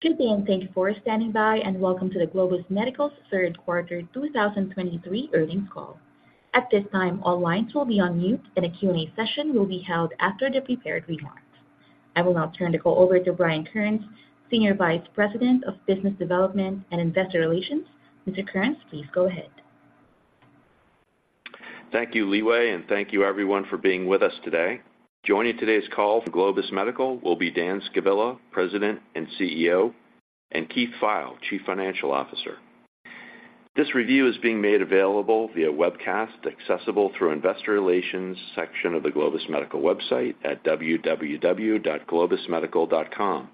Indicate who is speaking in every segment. Speaker 1: Good day, and thank you for standing by, and welcome to the Globus Medical's third quarter 2023 earnings call. At this time, all lines will be on mute, and a Q&A session will be held after the prepared remarks. I will now turn the call over to Brian Kearns, Senior Vice President of Business Development and Investor Relations. Mr. Kearns, please go ahead.
Speaker 2: Thank you, Leeway, and thank you everyone for being with us today. Joining today's call from Globus Medical will be Dan Scavilla, President and CEO, and Keith Pfeil, Chief Financial Officer. This review is being made available via webcast, accessible through Investor Relations section of the Globus Medical website at www.globusmedical.com.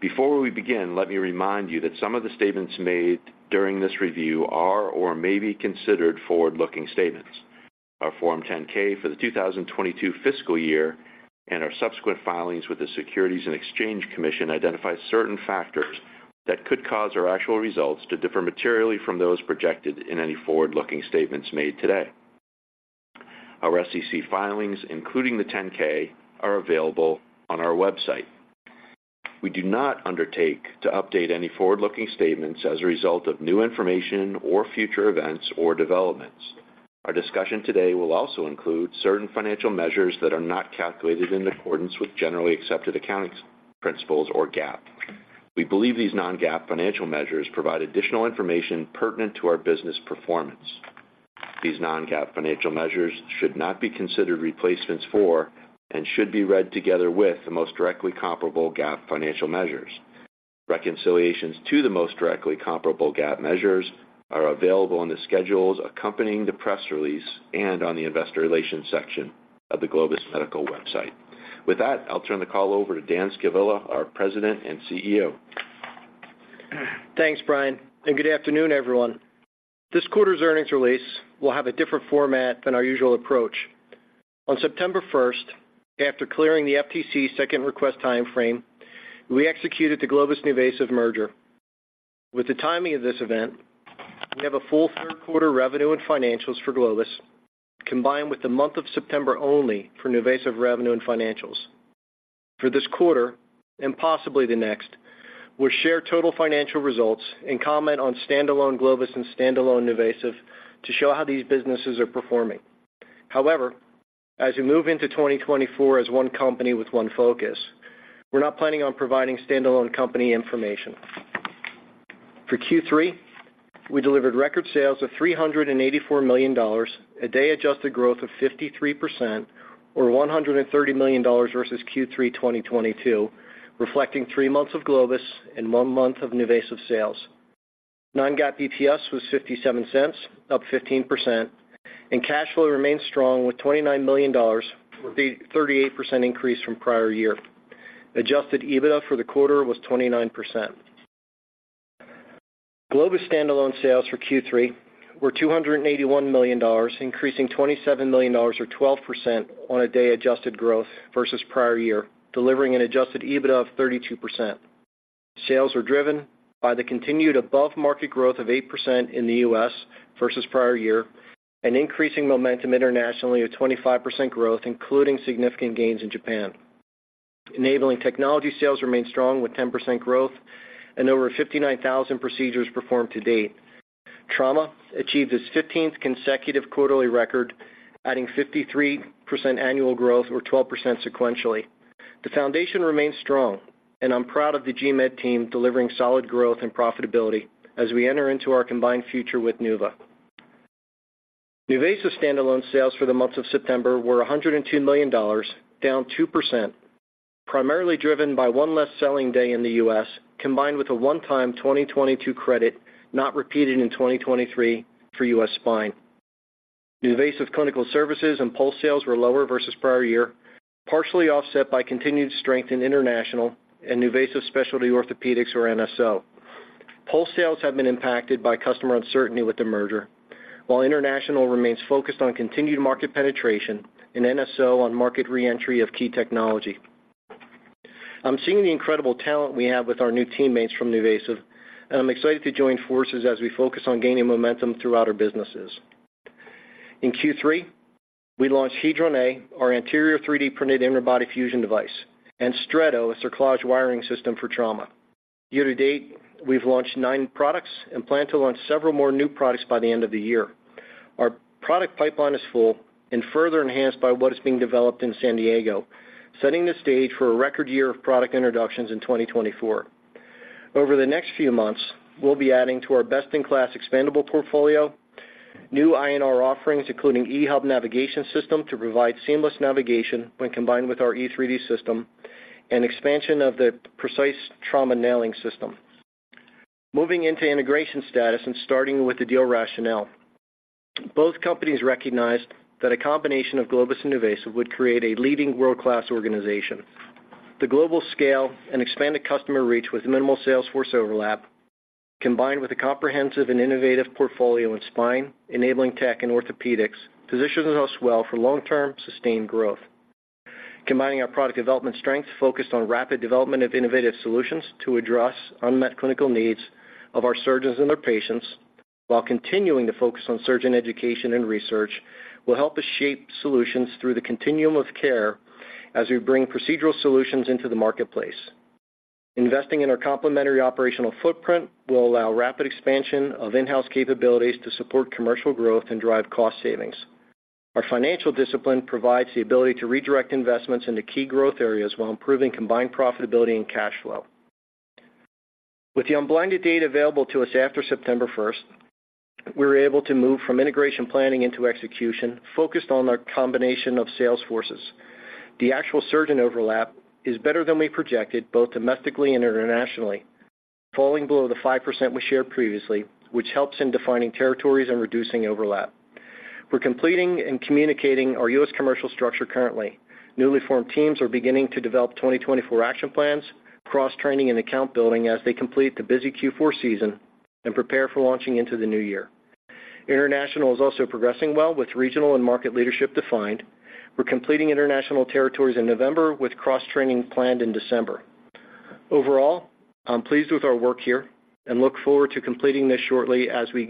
Speaker 2: Before we begin, let me remind you that some of the statements made during this review are or may be considered forward-looking statements. Our Form 10-K for the 2022 fiscal year and our subsequent filings with the Securities and Exchange Commission identify certain factors that could cause our actual results to differ materially from those projected in any forward-looking statements made today. Our SEC filings, including the 10-K, are available on our website. We do not undertake to update any forward-looking statements as a result of new information or future events or developments. Our discussion today will also include certain financial measures that are not calculated in accordance with generally accepted accounting principles or GAAP. We believe these non-GAAP financial measures provide additional information pertinent to our business performance. These non-GAAP financial measures should not be considered replacements for and should be read together with the most directly comparable GAAP financial measures. Reconciliations to the most directly comparable GAAP measures are available in the schedules accompanying the press release and on the Investor Relations section of the Globus Medical website. With that, I'll turn the call over to Dan Scavilla, our President and CEO.
Speaker 3: Thanks, Brian, and good afternoon, everyone. This quarter's earnings release will have a different format than our usual approach. On September 1st, after clearing the FTC Second Request timeframe, we executed the Globus NuVasive merger. With the timing of this event, we have a full third quarter revenue and financials for Globus, combined with the month of September only for NuVasive revenue and financials. For this quarter, and possibly the next, we'll share total financial results and comment on standalone Globus and standalone NuVasive to show how these businesses are performing. However, as we move into 2024 as one company with one focus, we're not planning on providing standalone company information. For Q3, we delivered record sales of $384 million, a day adjusted growth of 53% or $130 million versus Q3 2022, reflecting three months of Globus and one month of NuVasive sales. Non-GAAP EPS was $0.57, up 15%, and cash flow remains strong with $29 million, a 38% increase from prior year. Adjusted EBITDA for the quarter was 29%. Globus standalone sales for Q3 were $281 million, increasing $27 million or 12% on a day adjusted growth versus prior year, delivering an adjusted EBITDA of 32%. Sales were driven by the continued above-market growth of 8% in the U.S. versus prior year, and increasing momentum internationally of 25% growth, including significant gains in Japan. Enabling Technologies sales remained strong with 10% growth and over 59,000 procedures performed to date. Trauma achieved its 15th consecutive quarterly record, adding 53% annual growth or 12% sequentially. The foundation remains strong, and I'm proud of the GMED team delivering solid growth and profitability as we enter into our combined future with NuVasive. NuVasive standalone sales for the month of September were $102 million, down 2%, primarily driven by one less selling day in the U.S., combined with a one-time 2022 credit not repeated in 2023 for U.S. spine. NuVasive Clinical Services and Pulse sales were lower versus prior year, partially offset by continued strength in international and NuVasive Specialized Orthopedics or NSO. Pulse sales have been impacted by customer uncertainty with the merger, while international remains focused on continued market penetration and NSO on market re-entry of key technology. I'm seeing the incredible talent we have with our new teammates from NuVasive, and I'm excited to join forces as we focus on gaining momentum throughout our businesses. In Q3, we launched HEDRON A, our anterior 3D printed interbody fusion device, and Streto, a cerclage wiring system for trauma. Year to date, we've launched nine products and plan to launch several more new products by the end of the year. Our product pipeline is full and further enhanced by what is being developed in San Diego, setting the stage for a record year of product introductions in 2024. Over the next few months, we'll be adding to our best-in-class expandable portfolio, new enabling offerings, including EHub navigation system, to provide seamless navigation when combined with our E3D system, and expansion of the Precice trauma nailing system. Moving into integration status and starting with the deal rationale. Both companies recognized that a combination of Globus and NuVasive would create a leading world-class organization. The global scale and expanded customer reach with minimal sales force overlap, combined with a comprehensive and innovative portfolio in spine, enabling tech and orthopedics, positions us well for long-term, sustained growth. Combining our product development strength, focused on rapid development of innovative solutions to address unmet clinical needs of our surgeons and their patients, while continuing to focus on surgeon education and research, will help us shape solutions through the continuum of care as we bring procedural solutions into the marketplace. Investing in our complementary operational footprint will allow rapid expansion of in-house capabilities to support commercial growth and drive cost savings. Our financial discipline provides the ability to redirect investments into key growth areas while improving combined profitability and cash flow. With the unblinded data available to us after September 1st, we were able to move from integration planning into execution, focused on our combination of sales forces. The actual surgeon overlap is better than we projected, both domestically and internationally, falling below the 5% we shared previously, which helps in defining territories and reducing overlap. We're completing and communicating our U.S. commercial structure currently. Newly formed teams are beginning to develop 2024 action plans, cross-training and account building as they complete the busy Q4 season and prepare for launching into the new year. International is also progressing well with regional and market leadership defined. We're completing international territories in November, with cross-training planned in December. Overall, I'm pleased with our work here and look forward to completing this shortly as we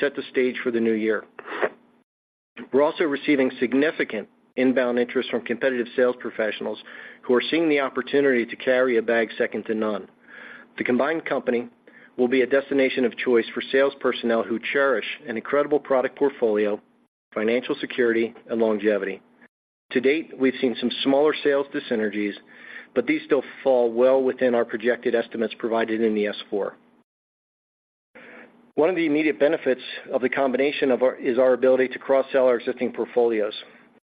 Speaker 3: set the stage for the new year. We're also receiving significant inbound interest from competitive sales professionals who are seeing the opportunity to carry a bag second to none. The combined company will be a destination of choice for sales personnel who cherish an incredible product portfolio, financial security, and longevity. To date, we've seen some smaller sales dyssynergies, but these still fall well within our projected estimates provided in the S-4. One of the immediate benefits of the combination is our ability to cross-sell our existing portfolios.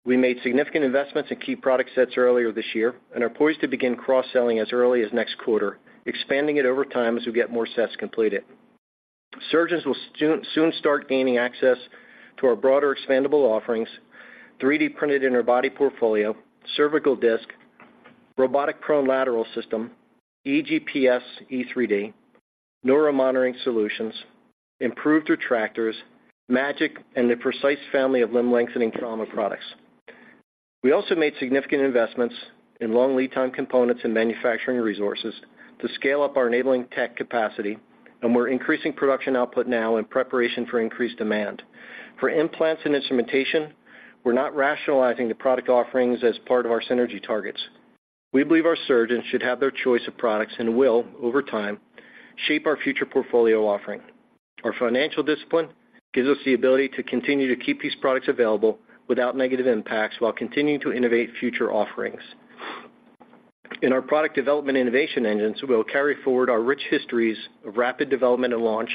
Speaker 3: We made significant investments in key product sets earlier this year and are poised to begin cross-selling as early as next quarter, expanding it over time as we get more sets completed. Surgeons will soon, soon start gaining access to our broader expandable offerings, 3D-printed interbody portfolio, cervical disc, robotic prone lateral system, EGPS, E3D, neuromonitoring solutions, improved retractors, MAGEC, and the Precice family of limb lengthening trauma products. We also made significant investments in long lead time components and manufacturing resources to scale up our enabling tech capacity, and we're increasing production output now in preparation for increased demand. For implants and instrumentation, we're not rationalizing the product offerings as part of our synergy targets. We believe our surgeons should have their choice of products and will, over time, shape our future portfolio offering. Our financial discipline gives us the ability to continue to keep these products available without negative impacts while continuing to innovate future offerings. In our product development innovation engines, we will carry forward our rich histories of rapid development and launch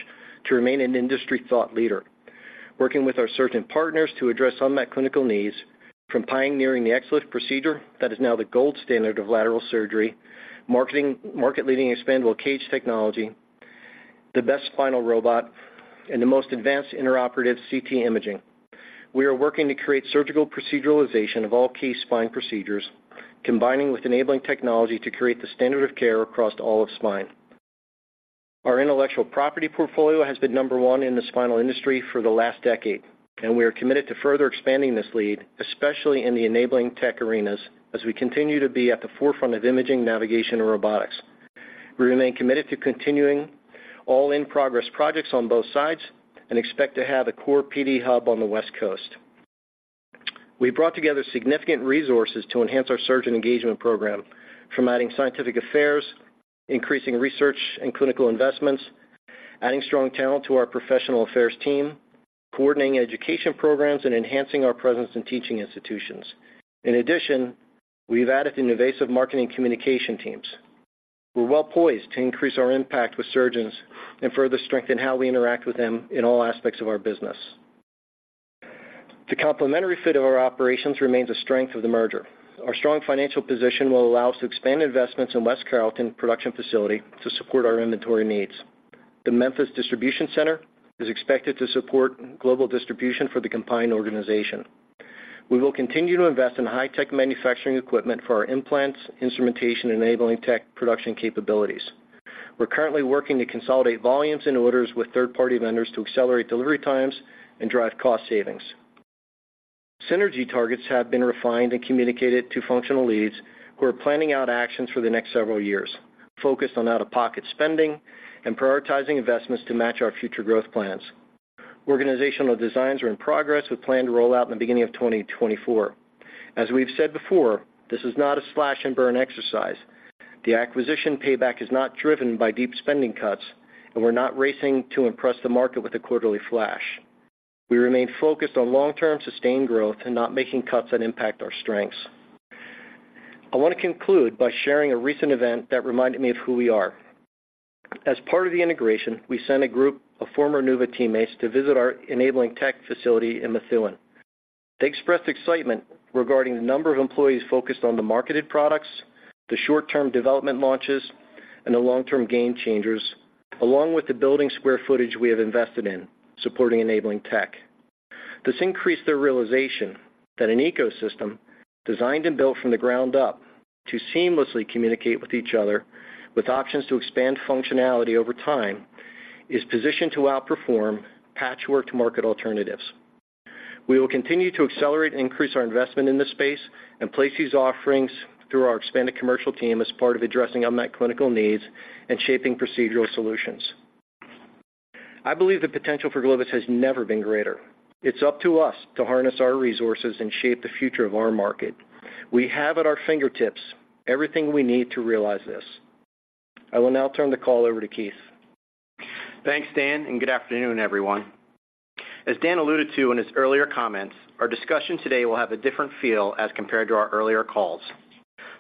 Speaker 3: to remain an industry thought leader, working with our surgeon partners to address unmet clinical needs, from pioneering the XLIF procedure that is now the gold standard of lateral surgery, market-leading expandable cage technology, the best spinal robot, and the most advanced intraoperative CT imaging. We are working to create surgical proceduralization of all key spine procedures, combining with enabling technology to create the standard of care across all of spine. Our intellectual property portfolio has been number one in the spinal industry for the last decade, and we are committed to further expanding this lead, especially in the enabling tech arenas, as we continue to be at the forefront of imaging, navigation, and robotics. We remain committed to continuing all in-progress projects on both sides and expect to have a core PD hub on the West Coast. We brought together significant resources to enhance our surgeon engagement program, from adding scientific affairs, increasing research and clinical investments, adding strong talent to our professional affairs team, coordinating education programs, and enhancing our presence in teaching institutions. In addition, we've added innovative marketing communication teams. We're well poised to increase our impact with surgeons and further strengthen how we interact with them in all aspects of our business. The complementary fit of our operations remains a strength of the merger. Our strong financial position will allow us to expand investments in West Carrollton production facility to support our inventory needs. The Memphis Distribution Center is expected to support global distribution for the combined organization. We will continue to invest in high-tech manufacturing equipment for our implants, instrumentation, enabling tech production capabilities. We're currently working to consolidate volumes and orders with third-party vendors to accelerate delivery times and drive cost savings. Synergy targets have been refined and communicated to functional leads who are planning out actions for the next several years, focused on out-of-pocket spending and prioritizing investments to match our future growth plans. Organizational designs are in progress, with planned rollout in the beginning of 2024. As we've said before, this is not a slash and burn exercise. The acquisition payback is not driven by deep spending cuts, and we're not racing to impress the market with a quarterly flash. We remain focused on long-term, sustained growth and not making cuts that impact our strengths. I want to conclude by sharing a recent event that reminded me of who we are. As part of the integration, we sent a group of former NuVasive teammates to visit our enabling tech facility in Methuen. They expressed excitement regarding the number of employees focused on the marketed products, the short-term development launches, and the long-term game changers, along with the building square footage we have invested in supporting enabling tech. This increased their realization that an ecosystem designed and built from the ground up to seamlessly communicate with each other, with options to expand functionality over time, is positioned to outperform patchwork to market alternatives. We will continue to accelerate and increase our investment in this space and place these offerings through our expanded commercial team as part of addressing unmet clinical needs and shaping procedural solutions. I believe the potential for Globus has never been greater. It's up to us to harness our resources and shape the future of our market. We have at our fingertips everything we need to realize this. I will now turn the call over to Keith.
Speaker 4: Thanks, Dan, and good afternoon, everyone. As Dan alluded to in his earlier comments, our discussion today will have a different feel as compared to our earlier calls.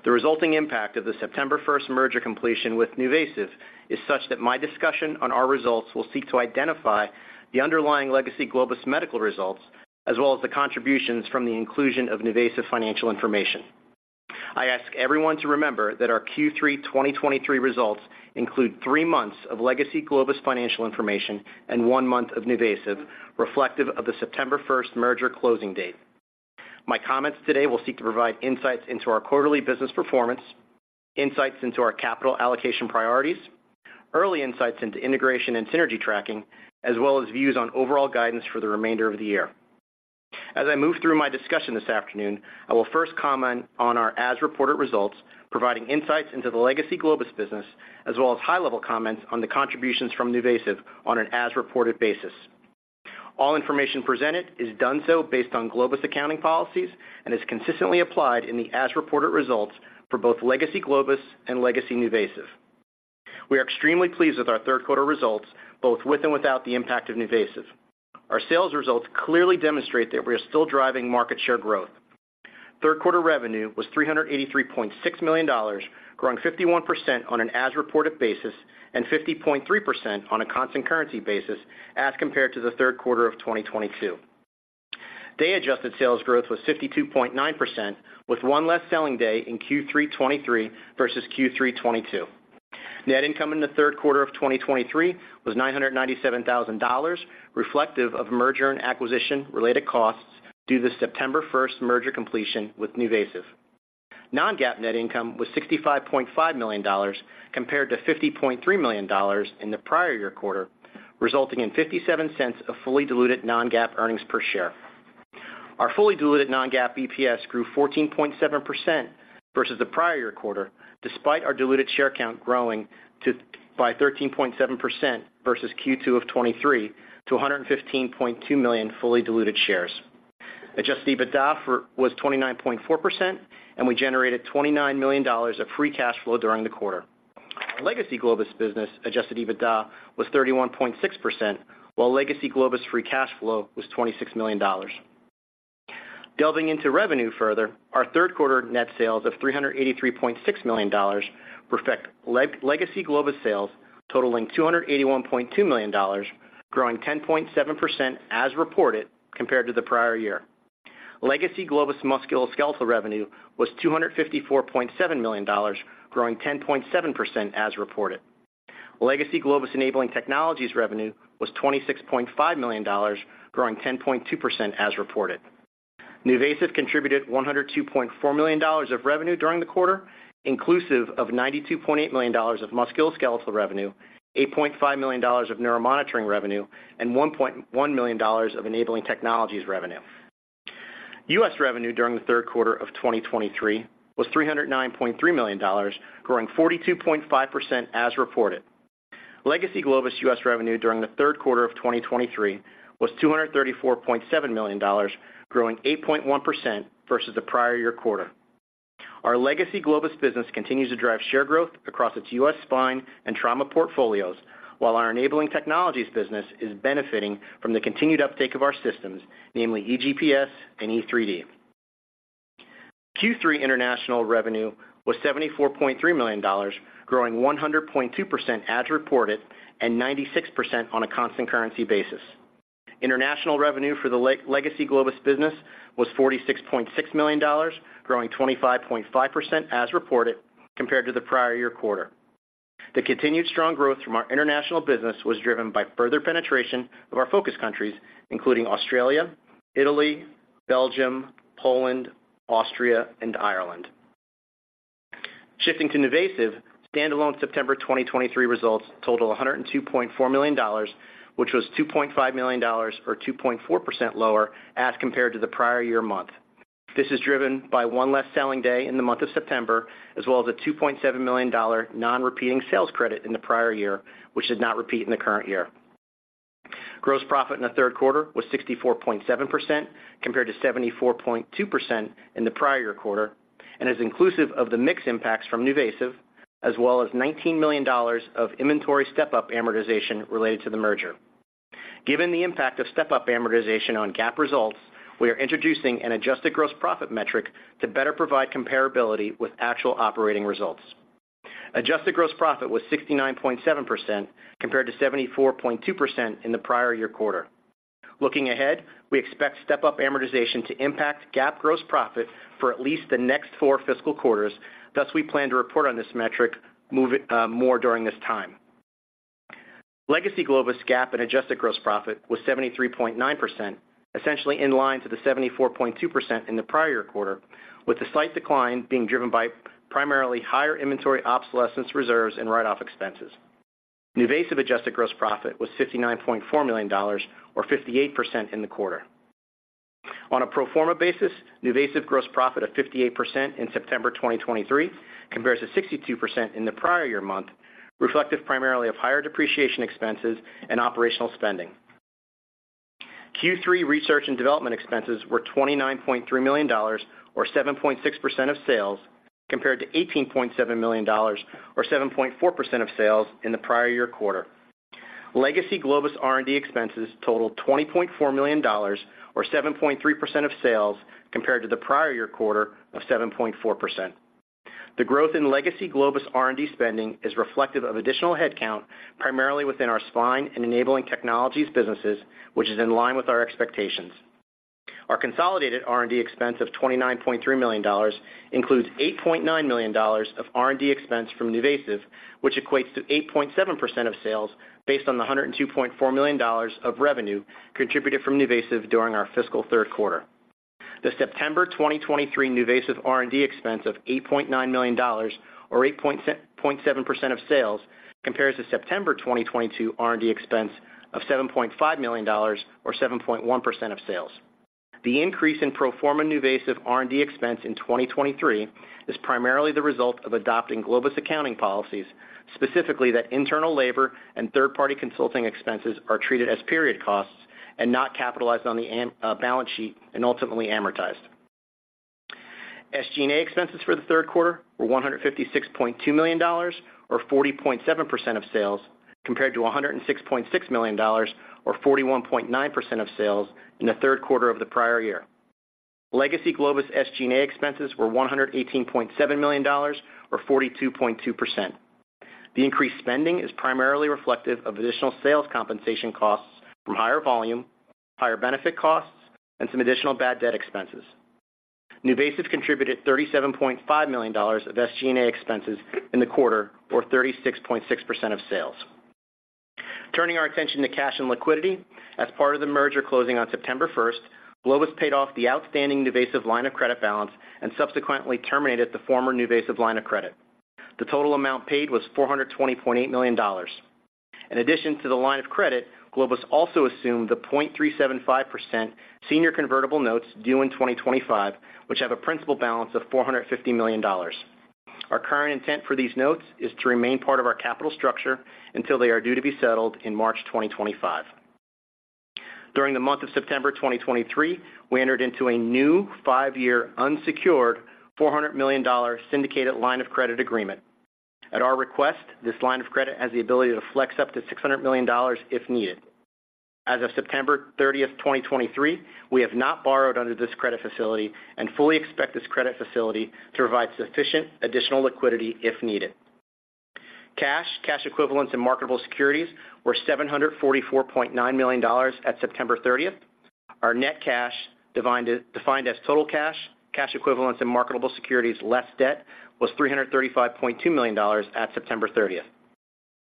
Speaker 4: The resulting impact of the September 1st merger completion with NuVasive is such that my discussion on our results will seek to identify the underlying legacy Globus Medical results, as well as the contributions from the inclusion of NuVasive financial information. I ask everyone to remember that our Q3 2023 results include three months of legacy Globus financial information and one month of NuVasive, reflective of the September 1st merger closing date. My comments today will seek to provide insights into our quarterly business performance, insights into our capital allocation priorities, early insights into integration and synergy tracking, as well as views on overall guidance for the remainder of the year. As I move through my discussion this afternoon, I will first comment on our as-reported results, providing insights into the legacy Globus business, as well as high-level comments on the contributions from NuVasive on an as-reported basis. All information presented is done so based on Globus accounting policies and is consistently applied in the as-reported results for both legacy Globus and legacy NuVasive. We are extremely pleased with our third quarter results, both with and without the impact of NuVasive. Our sales results clearly demonstrate that we are still driving market share growth. Third quarter revenue was $383.6 million, growing 51% on an as-reported basis and 50.3% on a constant currency basis as compared to the third quarter of 2022. Day-adjusted sales growth was 52.9%, with one less selling day in Q3 2023 versus Q3 2022. Net income in the third quarter of 2023 was $997,000, reflective of merger and acquisition-related costs due to the September 1st merger completion with NuVasive. Non-GAAP net income was $65.5 million, compared to $50.3 million in the prior year quarter, resulting in $0.57 of fully diluted non-GAAP earnings per share. Our fully diluted non-GAAP EPS grew 14.7% versus the prior year quarter, despite our diluted share count growing by 13.7% versus Q2 of 2023 to 115.2 million fully diluted shares. Adjusted EBITDA was 29.4%, and we generated $29 million of free cash flow during the quarter. Our legacy Globus business Adjusted EBITDA was 31.6%, while legacy Globus free cash flow was $26 million. Delving into revenue further, our third quarter net sales of $383.6 million reflect legacy Globus sales totaling $281.2 million, growing 10.7% as reported compared to the prior year. Legacy Globus musculoskeletal revenue was $254.7 million, growing 10.7% as reported. Legacy Globus Enabling Technologies revenue was $26.5 million, growing 10.2% as reported. NuVasive contributed $102.4 million of revenue during the quarter, inclusive of $92.8 million of musculoskeletal revenue, $8.5 million of neuromonitoring revenue, and $1.1 million of enabling technologies revenue. U.S. revenue during the third quarter of 2023 was $309.3 million, growing 42.5% as reported. Legacy Globus U.S. revenue during the third quarter of 2023 was $234.7 million, growing 8.1% versus the prior year quarter. Our legacy Globus business continues to drive share growth across its U.S. spine and trauma portfolios, while our enabling technologies business is benefiting from the continued uptake of our systems, namely EGPS and E3D. Q3 international revenue was $74.3 million, growing 100.2% as reported and 96% on a constant currency basis. International revenue for the legacy Globus business was $46.6 million, growing 25.5% as reported compared to the prior year quarter. The continued strong growth from our international business was driven by further penetration of our focus countries, including Australia, Italy, Belgium, Poland, Austria, and Ireland. Shifting to NuVasive, standalone September 2023 results total $102.4 million, which was $2.5 million or 2.4% lower as compared to the prior year month. This is driven by one less selling day in the month of September, as well as a $2.7 million non-repeating sales credit in the prior year, which did not repeat in the current year. Gross profit in the third quarter was 64.7%, compared to 74.2% in the prior year quarter, and is inclusive of the mix impacts from NuVasive, as well as $19 million of inventory step-up amortization related to the merger. Given the impact of step-up amortization on GAAP results, we are introducing an adjusted gross profit metric to better provide comparability with actual operating results. Adjusted gross profit was 69.7%, compared to 74.2% in the prior year quarter. Looking ahead, we expect step-up amortization to impact GAAP gross profit for at least the next four fiscal quarters. Thus, we plan to report on this metric move more during this time. Legacy Globus GAAP and adjusted gross profit was 73.9%, essentially in line to the 74.2% in the prior quarter, with a slight decline being driven by primarily higher inventory obsolescence reserves and write-off expenses. NuVasive adjusted gross profit was $59.4 million, or 58% in the quarter. On a pro forma basis, NuVasive gross profit of 58% in September 2023 compares to 62% in the prior year month, reflective primarily of higher depreciation expenses and operational spending. Q3 research and development expenses were $29.3 million, or 7.6% of sales, compared to $18.7 million, or 7.4% of sales in the prior year quarter. Legacy Globus R&D expenses totaled $20.4 million, or 7.3% of sales, compared to the prior year quarter of 7.4%. The growth in legacy Globus R&D spending is reflective of additional headcount, primarily within our spine and Enabling Technologies businesses, which is in line with our expectations. Our consolidated R&D expense of $29.3 million includes $8.9 million of R&D expense from NuVasive, which equates to 8.7% of sales, based on the $102.4 million of revenue contributed from NuVasive during our fiscal third quarter. The September 2023 NuVasive R&D expense of $8.9 million, or 8.7% of sales, compares to September 2022 R&D expense of $7.5 million, or 7.1% of sales. The increase in pro forma NuVasive R&D expense in 2023 is primarily the result of adopting Globus accounting policies, specifically, that internal labor and third-party consulting expenses are treated as period costs and not capitalized on the balance sheet and ultimately amortized. SG&A expenses for the third quarter were $156.2 million, or 40.7% of sales, compared to $106.6 million, or 41.9% of sales in the third quarter of the prior year. Legacy Globus SG&A expenses were $118.7 million, or 42.2%. The increased spending is primarily reflective of additional sales compensation costs from higher volume, higher benefit costs, and some additional bad debt expenses. NuVasive contributed $37.5 million of SG&A expenses in the quarter, or 36.6% of sales. Turning our attention to cash and liquidity. As part of the merger closing on September 1st, Globus paid off the outstanding NuVasive line of credit balance and subsequently terminated the former NuVasive line of credit. The total amount paid was $420.8 million. In addition to the line of credit, Globus also assumed the 0.375% senior convertible notes due in 2025, which have a principal balance of $450 million. Our current intent for these notes is to remain part of our capital structure until they are due to be settled in March 2025. During the month of September 2023, we entered into a new five-year unsecured $400 million syndicated line of credit agreement. At our request, this line of credit has the ability to flex up to $600 million if needed. As of September 30, 2023, we have not borrowed under this credit facility and fully expect this credit facility to provide sufficient additional liquidity if needed. Cash, cash equivalents, and marketable securities were $744.9 million at September 30. Our net cash, defined as total cash, cash equivalents, and marketable securities, less debt, was $335.2 million at September 30.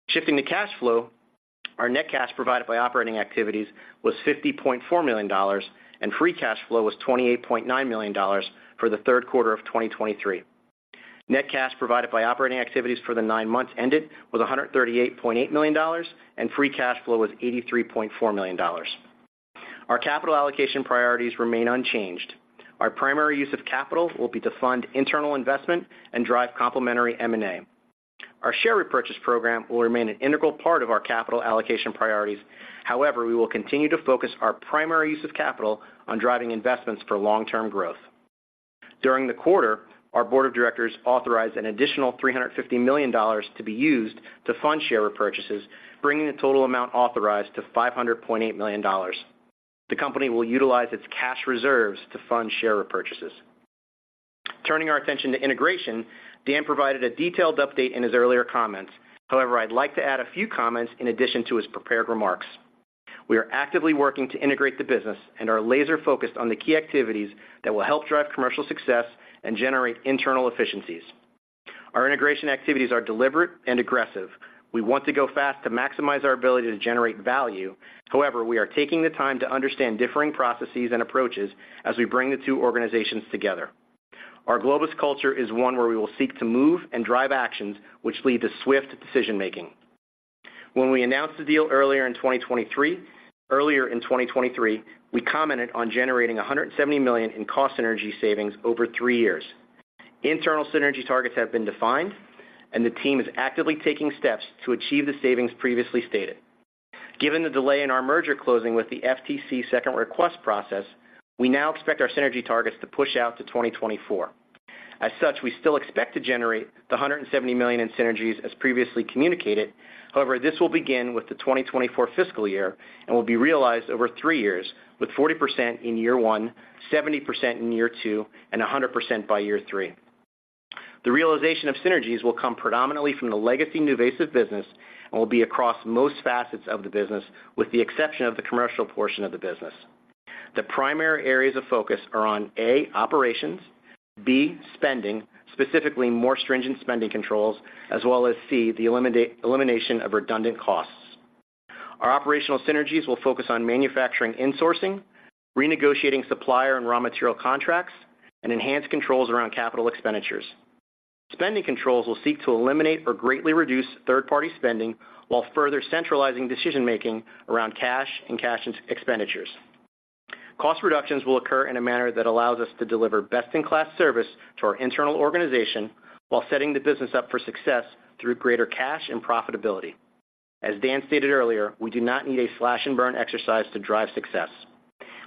Speaker 4: Shifting to cash flow, our net cash provided by operating activities was $50.4 million, and free cash flow was $28.9 million for the third quarter of 2023. Net cash provided by operating activities for the nine months ended was $138.8 million, and free cash flow was $83.4 million. Our capital allocation priorities remain unchanged. Our primary use of capital will be to fund internal investment and drive complementary M&A. Our share repurchase program will remain an integral part of our capital allocation priorities. However, we will continue to focus our primary use of capital on driving investments for long-term growth. During the quarter, our board of directors authorized an additional $350 million to be used to fund share repurchases, bringing the total amount authorized to $500.8 million. The company will utilize its cash reserves to fund share repurchases. Turning our attention to integration, Dan provided a detailed update in his earlier comments. However, I'd like to add a few comments in addition to his prepared remarks. We are actively working to integrate the business and are laser-focused on the key activities that will help drive commercial success and generate internal efficiencies. Our integration activities are deliberate and aggressive. We want to go fast to maximize our ability to generate value. However, we are taking the time to understand differing processes and approaches as we bring the two organizations together. Our Globus culture is one where we will seek to move and drive actions which lead to swift decision-making. When we announced the deal earlier in 2023, earlier in 2023, we commented on generating $170 million in cost synergy savings over three years. Internal synergy targets have been defined, and the team is actively taking steps to achieve the savings previously stated. Given the delay in our merger closing with the FTC second request process, we now expect our synergy targets to push out to 2024. As such, we still expect to generate $170 million in synergies as previously communicated. However, this will begin with the 2024 fiscal year and will be realized over three years, with 40% in year one, 70% in year two, and 100% by year three. The realization of synergies will come predominantly from the legacy NuVasive business and will be across most facets of the business, with the exception of the commercial portion of the business. The primary areas of focus are on: A, operations, B, spending, specifically more stringent spending controls, as well as, C, the elimination of redundant costs. Our operational synergies will focus on manufacturing insourcing, renegotiating supplier and raw material contracts, and enhanced controls around capital expenditures. Spending controls will seek to eliminate or greatly reduce third-party spending, while further centralizing decision-making around cash and cash expenditures. Cost reductions will occur in a manner that allows us to deliver best-in-class service to our internal organization, while setting the business up for success through greater cash and profitability. As Dan stated earlier, we do not need a slash-and-burn exercise to drive success.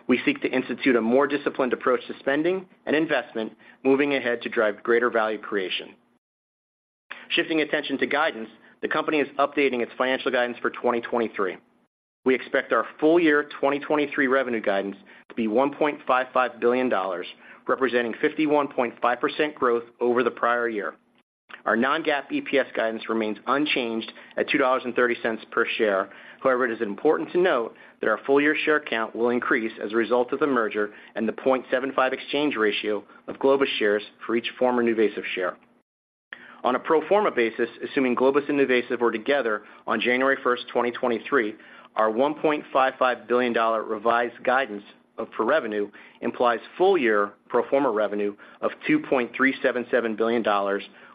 Speaker 4: We seek to institute a more disciplined approach to spending and investment, moving ahead to drive greater value creation. Shifting attention to guidance, the company is updating its financial guidance for 2023. We expect our full year 2023 revenue guidance to be $1.55 billion, representing 51.5% growth over the prior year. Our non-GAAP EPS guidance remains unchanged at $2.30 per share. However, it is important to note that our full year share count will increase as a result of the merger and the 0.75 exchange ratio of Globus shares for each former NuVasive share. On a pro forma basis, assuming Globus and NuVasive were together on January 1, 2023, our $1.55 billion revised guidance of per revenue implies full year pro forma revenue of $2.377 billion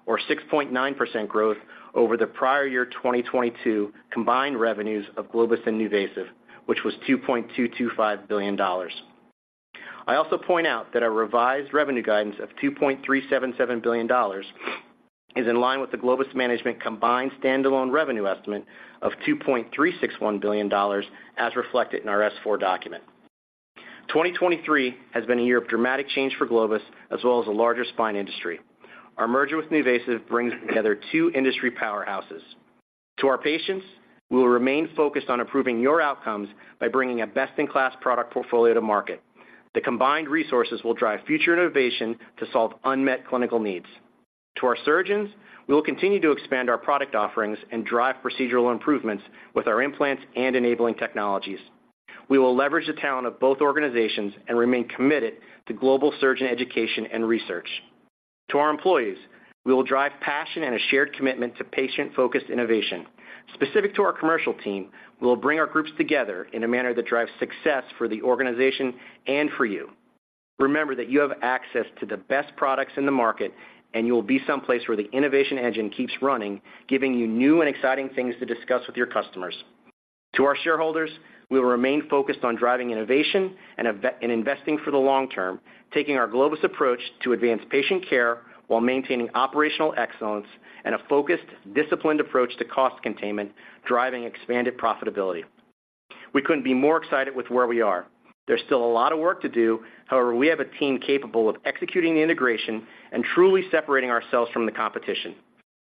Speaker 4: or 6.9% growth over the prior year, 2022, combined revenues of Globus and NuVasive, which was $2.225 billion. I also point out that our revised revenue guidance of $2.377 billion is in line with the Globus management combined standalone revenue estimate of $2.361 billion, as reflected in our S-4 document. 2023 has been a year of dramatic change for Globus as well as the larger spine industry. Our merger with NuVasive brings together two industry powerhouses. To our patients, we will remain focused on improving your outcomes by bringing a best-in-class product portfolio to market. The combined resources will drive future innovation to solve unmet clinical needs. To our surgeons, we will continue to expand our product offerings and drive procedural improvements with our implants and enabling technologies. We will leverage the talent of both organizations and remain committed to global surgeon education and research. To our employees, we will drive passion and a shared commitment to patient-focused innovation. Specific to our commercial team, we will bring our groups together in a manner that drives success for the organization and for you. Remember that you have access to the best products in the market, and you will be someplace where the innovation engine keeps running, giving you new and exciting things to discuss with your customers. To our shareholders, we will remain focused on driving innovation and investing for the long term, taking our Globus approach to advance patient care while maintaining operational excellence and a focused, disciplined approach to cost containment, driving expanded profitability. We couldn't be more excited with where we are. There's still a lot of work to do. However, we have a team capable of executing the integration and truly separating ourselves from the competition.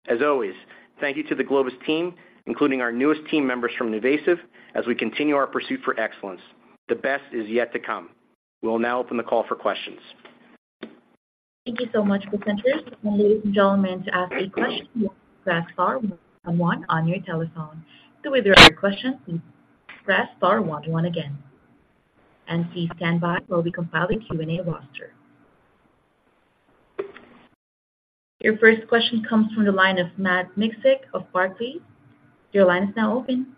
Speaker 4: As always, thank you to the Globus team, including our newest team members from NuVasive, as we continue our pursuit for excellence. The best is yet to come. We'll now open the call for questions.
Speaker 1: Thank you so much, presenters. Ladies and gentlemen, to ask a question, press star one on your telephone. If there are other questions, please press star one one again. Please stand by while we compile the Q&A roster. Your first question comes from the line of Matt Miksic of Barclays. Your line is now open.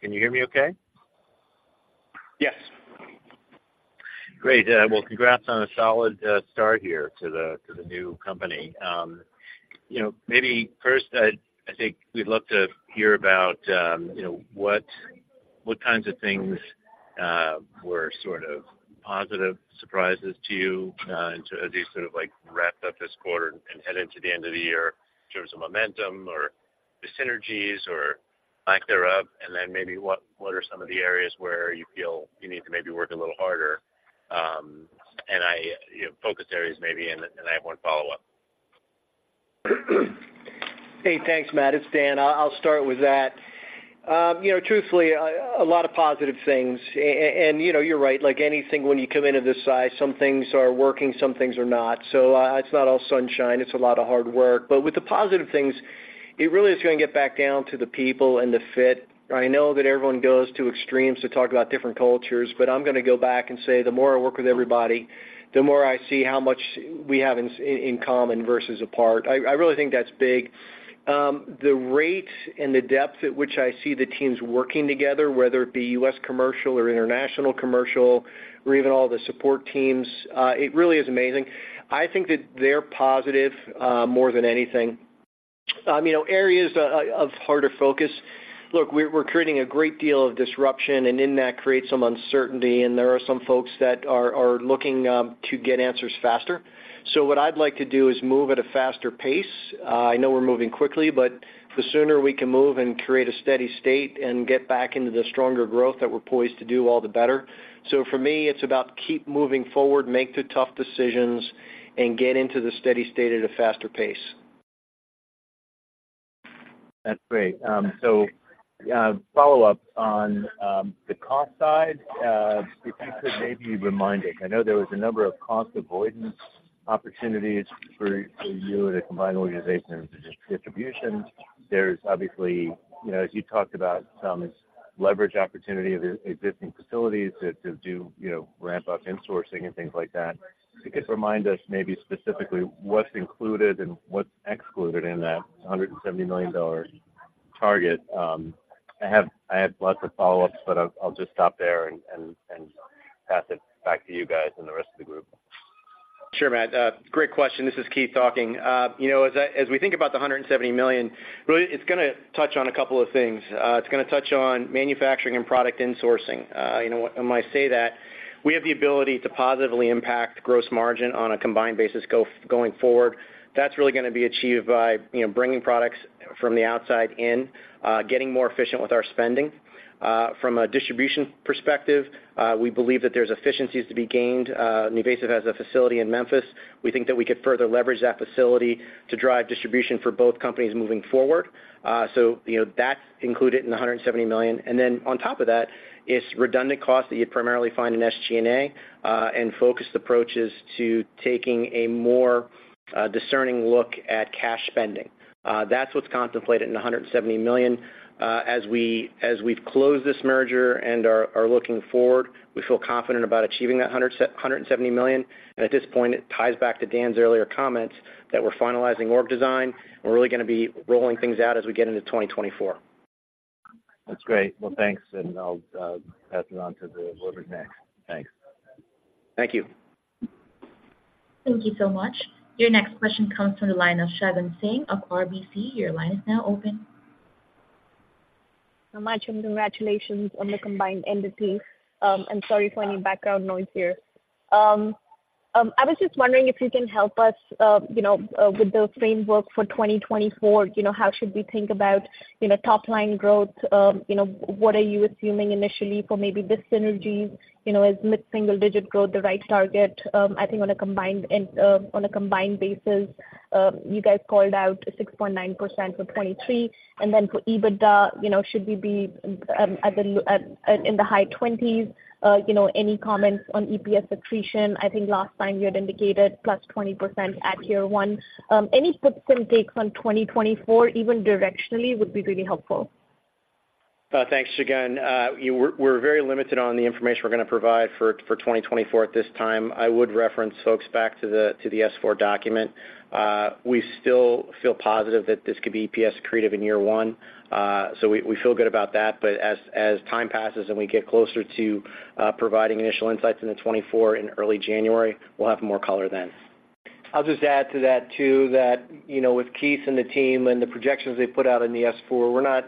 Speaker 5: Can you hear me okay?
Speaker 4: Yes.
Speaker 5: Great. Well, congrats on a solid start here to the new company. You know, maybe first, I think we'd love to hear about, you know, what kinds of things were sort of positive surprises to you and to as you sort of, like, wrapped up this quarter and head into the end of the year in terms of momentum or the synergies or lack thereof, and then maybe what are some of the areas where you feel you need to maybe work a little harder, and I, you know, focus areas maybe, and then, and I have one follow-up.
Speaker 3: Hey, thanks, Matt. It's Dan. I'll start with that. You know, truthfully, a lot of positive things. And, you know, you're right. Like anything, when you come in at this size, some things are working, some things are not. So, it's not all sunshine, it's a lot of hard work. But with the positive things, it really is going to get back down to the people and the fit. I know that everyone goes to extremes to talk about different cultures, but I'm going to go back and say, the more I work with everybody, the more I see how much we have in common versus apart. I really think that's big. The rate and the depth at which I see the teams working together, whether it be U.S. commercial or international commercial, or even all the support teams, it really is amazing. I think that they're positive, more than anything. You know, areas of harder focus. Look, we're creating a great deal of disruption, and that creates some uncertainty, and there are some folks that are looking to get answers faster. So what I'd like to do is move at a faster pace. I know we're moving quickly, but the sooner we can move and create a steady state and get back into the stronger growth that we're poised to do, all the better. So for me, it's about keep moving forward, make the tough decisions, and get into the steady state at a faster pace.
Speaker 5: That's great. So, follow-up on the cost side. If you could maybe remind it. I know there was a number of cost avoidance opportunities for, for you in a combined organization and distribution. There's obviously, you know, as you talked about, some leverage opportunity of existing facilities to, to do, you know, ramp up insourcing and things like that. If you could remind us maybe specifically what's included and what's excluded in that $170 million?... target. I had lots of follow-ups, but I'll just stop there and pass it back to you guys and the rest of the group.
Speaker 4: Sure, Matt, great question. This is Keith talking. You know, as we think about the $170 million, really, it's going to touch on a couple of things. It's going to touch on manufacturing and product insourcing. You know, when I say that, we have the ability to positively impact gross margin on a combined basis going forward. That's really going to be achieved by, you know, bringing products from the outside in, getting more efficient with our spending. From a distribution perspective, we believe that there's efficiencies to be gained. NuVasive has a facility in Memphis. We think that we could further leverage that facility to drive distribution for both companies moving forward. So, you know, that's included in the $170 million. Then on top of that, it's redundant costs that you'd primarily find in SG&A, and focused approaches to taking a more discerning look at cash spending. That's what's contemplated in the $170 million. As we've closed this merger and are looking forward, we feel confident about achieving that $170 million. And at this point, it ties back to Dan's earlier comments that we're finalizing org design. We're really going to be rolling things out as we get into 2024.
Speaker 5: That's great. Well, thanks, and I'll pass it on to whoever's next. Thanks.
Speaker 4: Thank you.
Speaker 1: Thank you so much. Your next question comes from the line of Shagun Singh of RBC. Your line is now open.
Speaker 6: So much, and congratulations on the combined entity. And sorry for any background noise here. I was just wondering if you can help us, you know, with the framework for 2024, you know, how should we think about, you know, top-line growth? You know, what are you assuming initially for maybe this synergy? You know, is mid-single-digit growth the right target? I think on a combined basis, you guys called out 6.9% for 2023, and then for EBITDA, you know, should we be in the high 20s? You know, any comments on EPS accretion? I think last time you had indicated +20% at year one. Any hooks and takes on 2024, even directionally, would be really helpful.
Speaker 4: Thanks, Shagun. We're very limited on the information we're going to provide for 2024 at this time. I would reference folks back to the S-4 document. We still feel positive that this could be EPS accretive in year one. So we feel good about that, but as time passes and we get closer to providing initial insights into 2024 in early January, we'll have more color then. I'll just add to that, too, that you know, with Keith and the team and the projections they put out in the S-4, we're not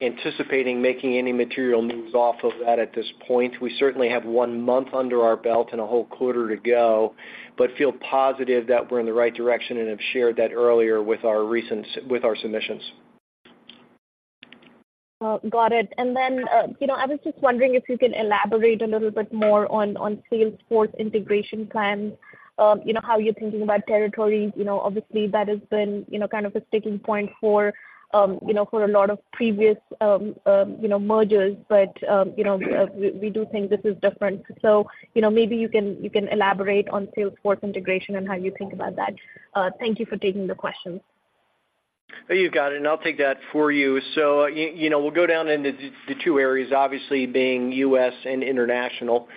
Speaker 4: anticipating making any material moves off of that at this point. We certainly have one month under our belt and a whole quarter to go, but feel positive that we're in the right direction and have shared that earlier with our recent S-4 submissions.
Speaker 6: Got it. And then, you know, I was just wondering if you can elaborate a little bit more on sales force integration plans. You know, how you're thinking about territories. You know, obviously, that has been, you know, kind of a sticking point for, you know, for a lot of previous, you know, mergers. But, you know, we do think this is different. So, you know, maybe you can elaborate on sales force integration and how you think about that. Thank you for taking the question.
Speaker 4: You've got it, and I'll take that for you. So you know, we'll go down into the two areas, obviously, being U.S. and international. With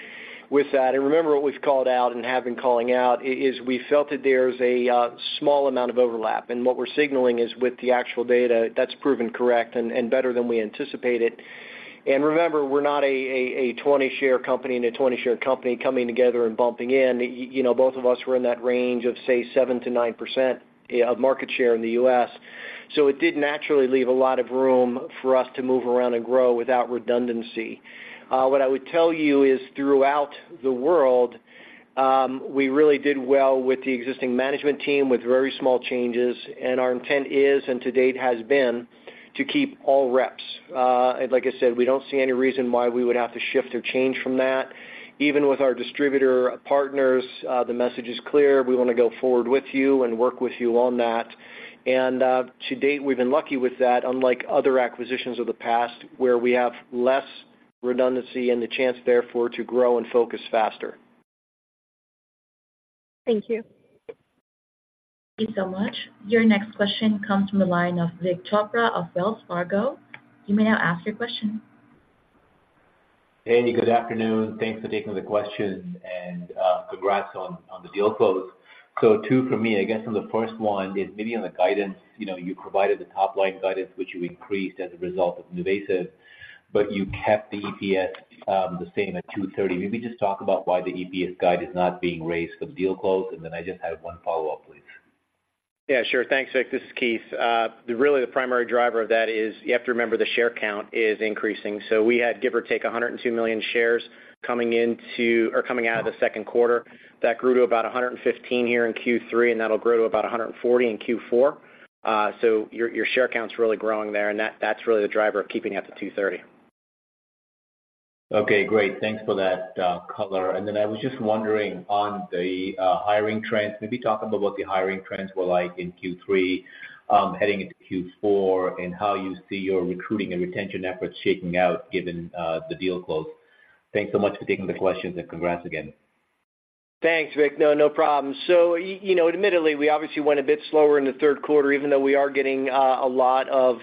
Speaker 4: that, and remember what we've called out and have been calling out, is we felt that there's a small amount of overlap, and what we're signaling is with the actual data, that's proven correct and better than we anticipated. And remember, we're not a 20-share company and a 20-share company coming together and bumping in. You know, both of us were in that range of, say, 7%-9% market share in the U.S. So it did naturally leave a lot of room for us to move around and grow without redundancy. What I would tell you is, throughout the world, we really did well with the existing management team with very small changes, and our intent is, and to date has been, to keep all reps. And like I said, we don't see any reason why we would have to shift or change from that. Even with our distributor partners, the message is clear: we want to go forward with you and work with you on that. And to date, we've been lucky with that, unlike other acquisitions of the past, where we have less redundancy and the chance therefore to grow and focus faster.
Speaker 6: Thank you.
Speaker 1: Thank you so much. Your next question comes from the line of Vik Chopra of Wells Fargo. You may now ask your question.
Speaker 7: Hey, good afternoon. Thanks for taking the questions, and, congrats on, on the deal close. So two for me, I guess. On the first one is maybe on the guidance. You know, you provided the top-line guidance, which you increased as a result of NuVasive, but you kept the EPS the same at $2.30. Maybe just talk about why the EPS guide is not being raised with deal close, and then I just have one follow-up please.
Speaker 4: Yeah, sure. Thanks, Vik. This is Keith. Really the primary driver of that is you have to remember the share count is increasing. So we had, give or take, 102 million shares coming into or coming out of the second quarter. That grew to about 115 here in Q3, and that'll grow to about 140 in Q4. So your, your share count's really growing there, and that, that's really the driver of keeping it at the $2.30.
Speaker 7: Okay, great. Thanks for that, color. And then I was just wondering on the hiring trends, maybe talk about what the hiring trends were like in Q3, heading into Q4, and how you see your recruiting and retention efforts shaking out given the deal close. Thanks so much for taking the questions, and congrats again.
Speaker 3: Thanks, Vik. No, no problem. So you know, admittedly, we obviously went a bit slower in the third quarter, even though we are getting a lot of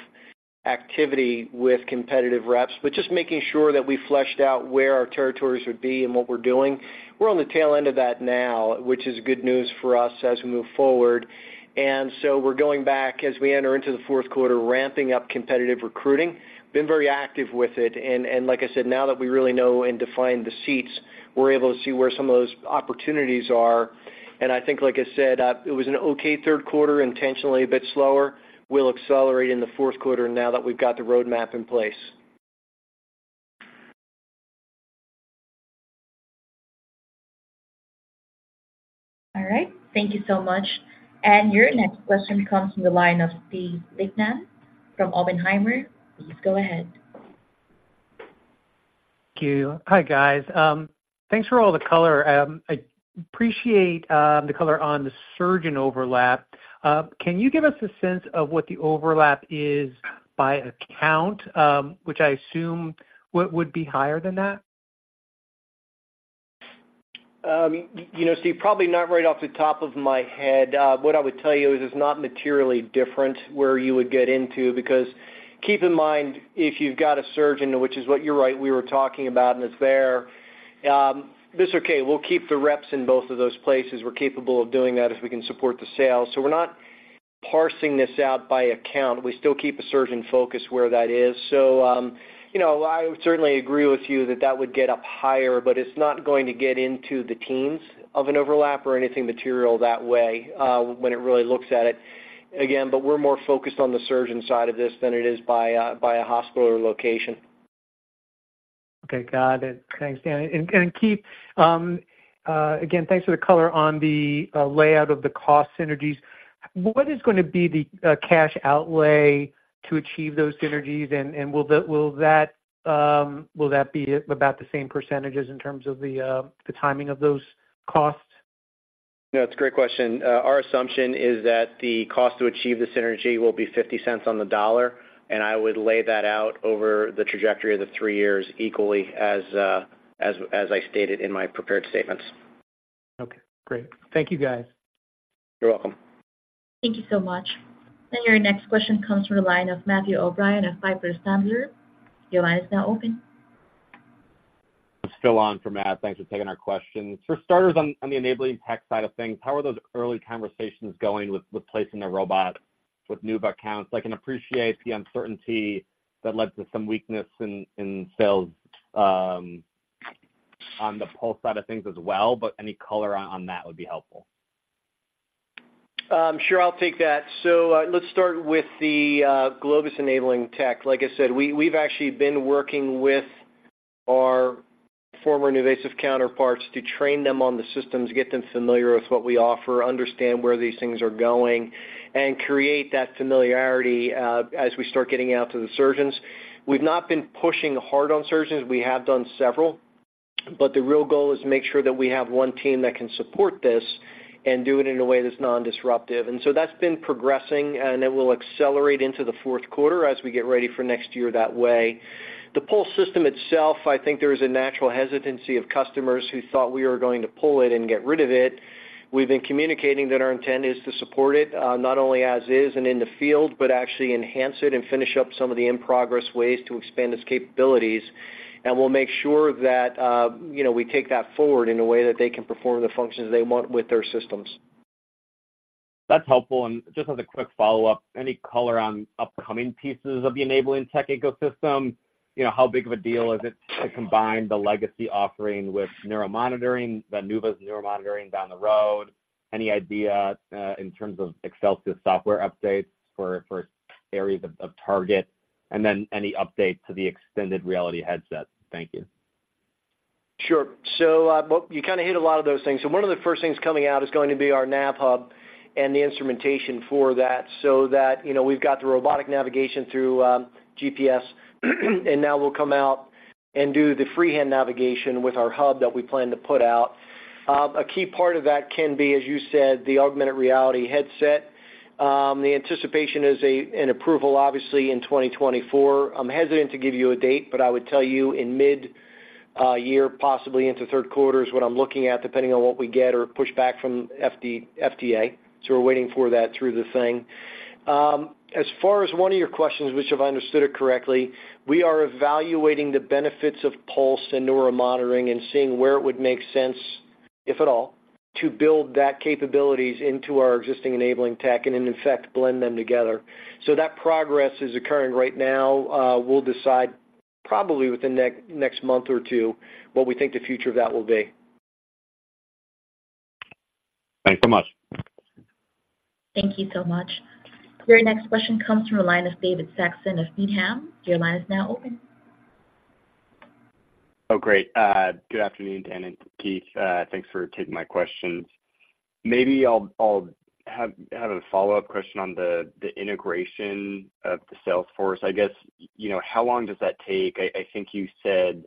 Speaker 3: activity with competitive reps, but just making sure that we fleshed out where our territories would be and what we're doing. We're on the tail end of that now, which is good news for us as we move forward.... And so we're going back as we enter into the fourth quarter, ramping up competitive recruiting. Been very active with it, and like I said, now that we really know and define the seats, we're able to see where some of those opportunities are. And I think, like I said, it was an okay third quarter, intentionally a bit slower. We'll accelerate in the fourth quarter now that we've got the roadmap in place.
Speaker 1: All right. Thank you so much. And your next question comes from the line of Steve Lichtman from Oppenheimer. Please go ahead.
Speaker 8: Thank you. Hi, guys. Thanks for all the color. I appreciate the color on the surgeon overlap. Can you give us a sense of what the overlap is by account, which I assume would be higher than that?
Speaker 3: You know, Steve, probably not right off the top of my head. What I would tell you is it's not materially different where you would get into, because keep in mind, if you've got a surgeon, which is what you're right, we were talking about, and it's there, it's okay, we'll keep the reps in both of those places. We're capable of doing that if we can support the sales. So we're not parsing this out by account. We still keep a surgeon focus where that is. So, you know, I would certainly agree with you that that would get up higher, but it's not going to get into the teens of an overlap or anything material that way, when it really looks at it. Again, but we're more focused on the surgeon side of this than it is by a hospital or location.
Speaker 8: Okay, got it. Thanks, Dan. And Keith, again, thanks for the color on the layout of the cost synergies. What is going to be the cash outlay to achieve those synergies, and will that be about the same percentages in terms of the timing of those costs?
Speaker 4: No, it's a great question. Our assumption is that the cost to achieve the synergy will be $0.50 on the dollar, and I would lay that out over the trajectory of the three years equally as I stated in my prepared statements.
Speaker 8: Okay, great. Thank you, guys.
Speaker 3: You're welcome.
Speaker 1: Thank you so much. And your next question comes from the line of Matthew O'Brien at Piper Sandler. Your line is now open.
Speaker 9: It's still on for Matt. Thanks for taking our questions. For starters, on the enabling tech side of things, how are those early conversations going with placing the robot with new accounts? I can appreciate the uncertainty that led to some weakness in sales on the Pulse side of things as well, but any color on that would be helpful.
Speaker 3: Sure, I'll take that. So, let's start with the Globus enabling tech. Like I said, we've actually been working with our former NuVasive counterparts to train them on the systems, get them familiar with what we offer, understand where these things are going, and create that familiarity as we start getting out to the surgeons. We've not been pushing hard on surgeons. We have done several, but the real goal is to make sure that we have one team that can support this and do it in a way that's non-disruptive. And so that's been progressing, and it will accelerate into the fourth quarter as we get ready for next year that way. The Pulse system itself, I think there is a natural hesitancy of customers who thought we were going to pull it and get rid of it. We've been communicating that our intent is to support it, not only as is and in the field, but actually enhance it and finish up some of the in-progress ways to expand its capabilities. And we'll make sure that, you know, we take that forward in a way that they can perform the functions they want with their systems.
Speaker 9: That's helpful. And just as a quick follow-up, any color on upcoming pieces of the enabling tech ecosystem? You know, how big of a deal is it to combine the legacy offering with neuromonitoring, the NuVasive neuromonitoring down the road? Any idea in terms of Excelsius software updates for areas of target? And then any update to the extended reality headset? Thank you.
Speaker 3: Sure. So, well, you kind of hit a lot of those things. So one of the first things coming out is going to be our nav hub and the instrumentation for that, so that, you know, we've got the robotic navigation through GPS, and now we'll come out and do the freehand navigation with our hub that we plan to put out. A key part of that can be, as you said, the augmented reality headset. The anticipation is an approval, obviously, in 2024. I'm hesitant to give you a date, but I would tell you in mid year, possibly into third quarter is what I'm looking at, depending on what we get or pushback from FDA. So we're waiting for that through the thing. As far as one of your questions, which if I understood it correctly, we are evaluating the benefits of Pulse and neuromonitoring and seeing where it would make sense, if at all, to build that capabilities into our existing enabling tech and then, in fact, blend them together. So that progress is occurring right now. We'll decide probably within the next month or two, what we think the future of that will be.
Speaker 9: Thanks so much.
Speaker 1: Thank you so much. Your next question comes from the line of David Saxon of Needham. Your line is now open.
Speaker 10: Oh, great. Good afternoon, Dan and Keith. Thanks for taking my questions. Maybe I'll have a follow-up question on the integration of the sales force. I guess, you know, how long does that take? I think you said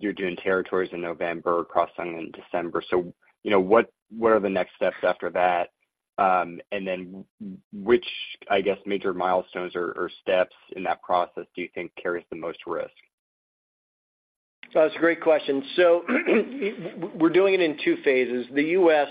Speaker 10: you're doing territories in November, crossing in December. So, you know, what are the next steps after that? And then which, I guess, major milestones or steps in that process do you think carries the most risk?
Speaker 3: That's a great question. So we're doing it in two phases. The U.S.,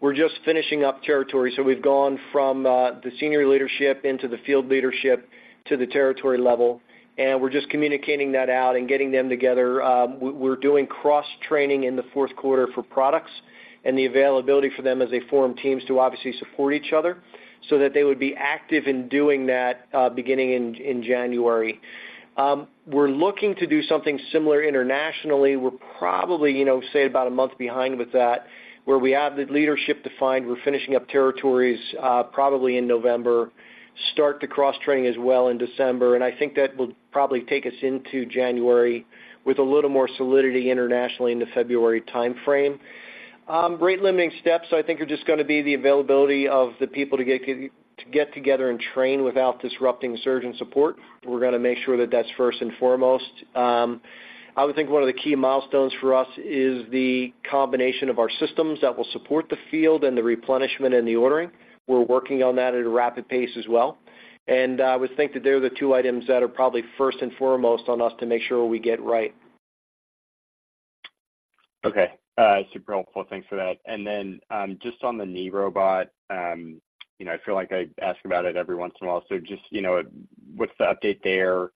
Speaker 3: we're just finishing up territory, so we've gone from the senior leadership into the field leadership to the territory level, and we're just communicating that out and getting them together. We're doing cross-training in the fourth quarter for products and the availability for them as they form teams to obviously support each other, so that they would be active in doing that, beginning in January. We're looking to do something similar internationally. We're probably, you know, say, about a month behind with that, where we have the leadership defined. We're finishing up territories, probably in November, start the cross-training as well in December, and I think that will probably take us into January with a little more solidity internationally in the February timeframe. Rate-limiting steps, I think, are just gonna be the availability of the people to get together and train without disrupting surgeon support. We're gonna make sure that that's first and foremost. I would think one of the key milestones for us is the combination of our systems that will support the field and the replenishment and the ordering. We're working on that at a rapid pace as well. I would think that they're the two items that are probably first and foremost on us to make sure we get right.
Speaker 10: Okay. Super helpful. Thanks for that. And then, just on the knee robot, you know, I feel like I ask about it every once in a while. So just, you know, what's the update there,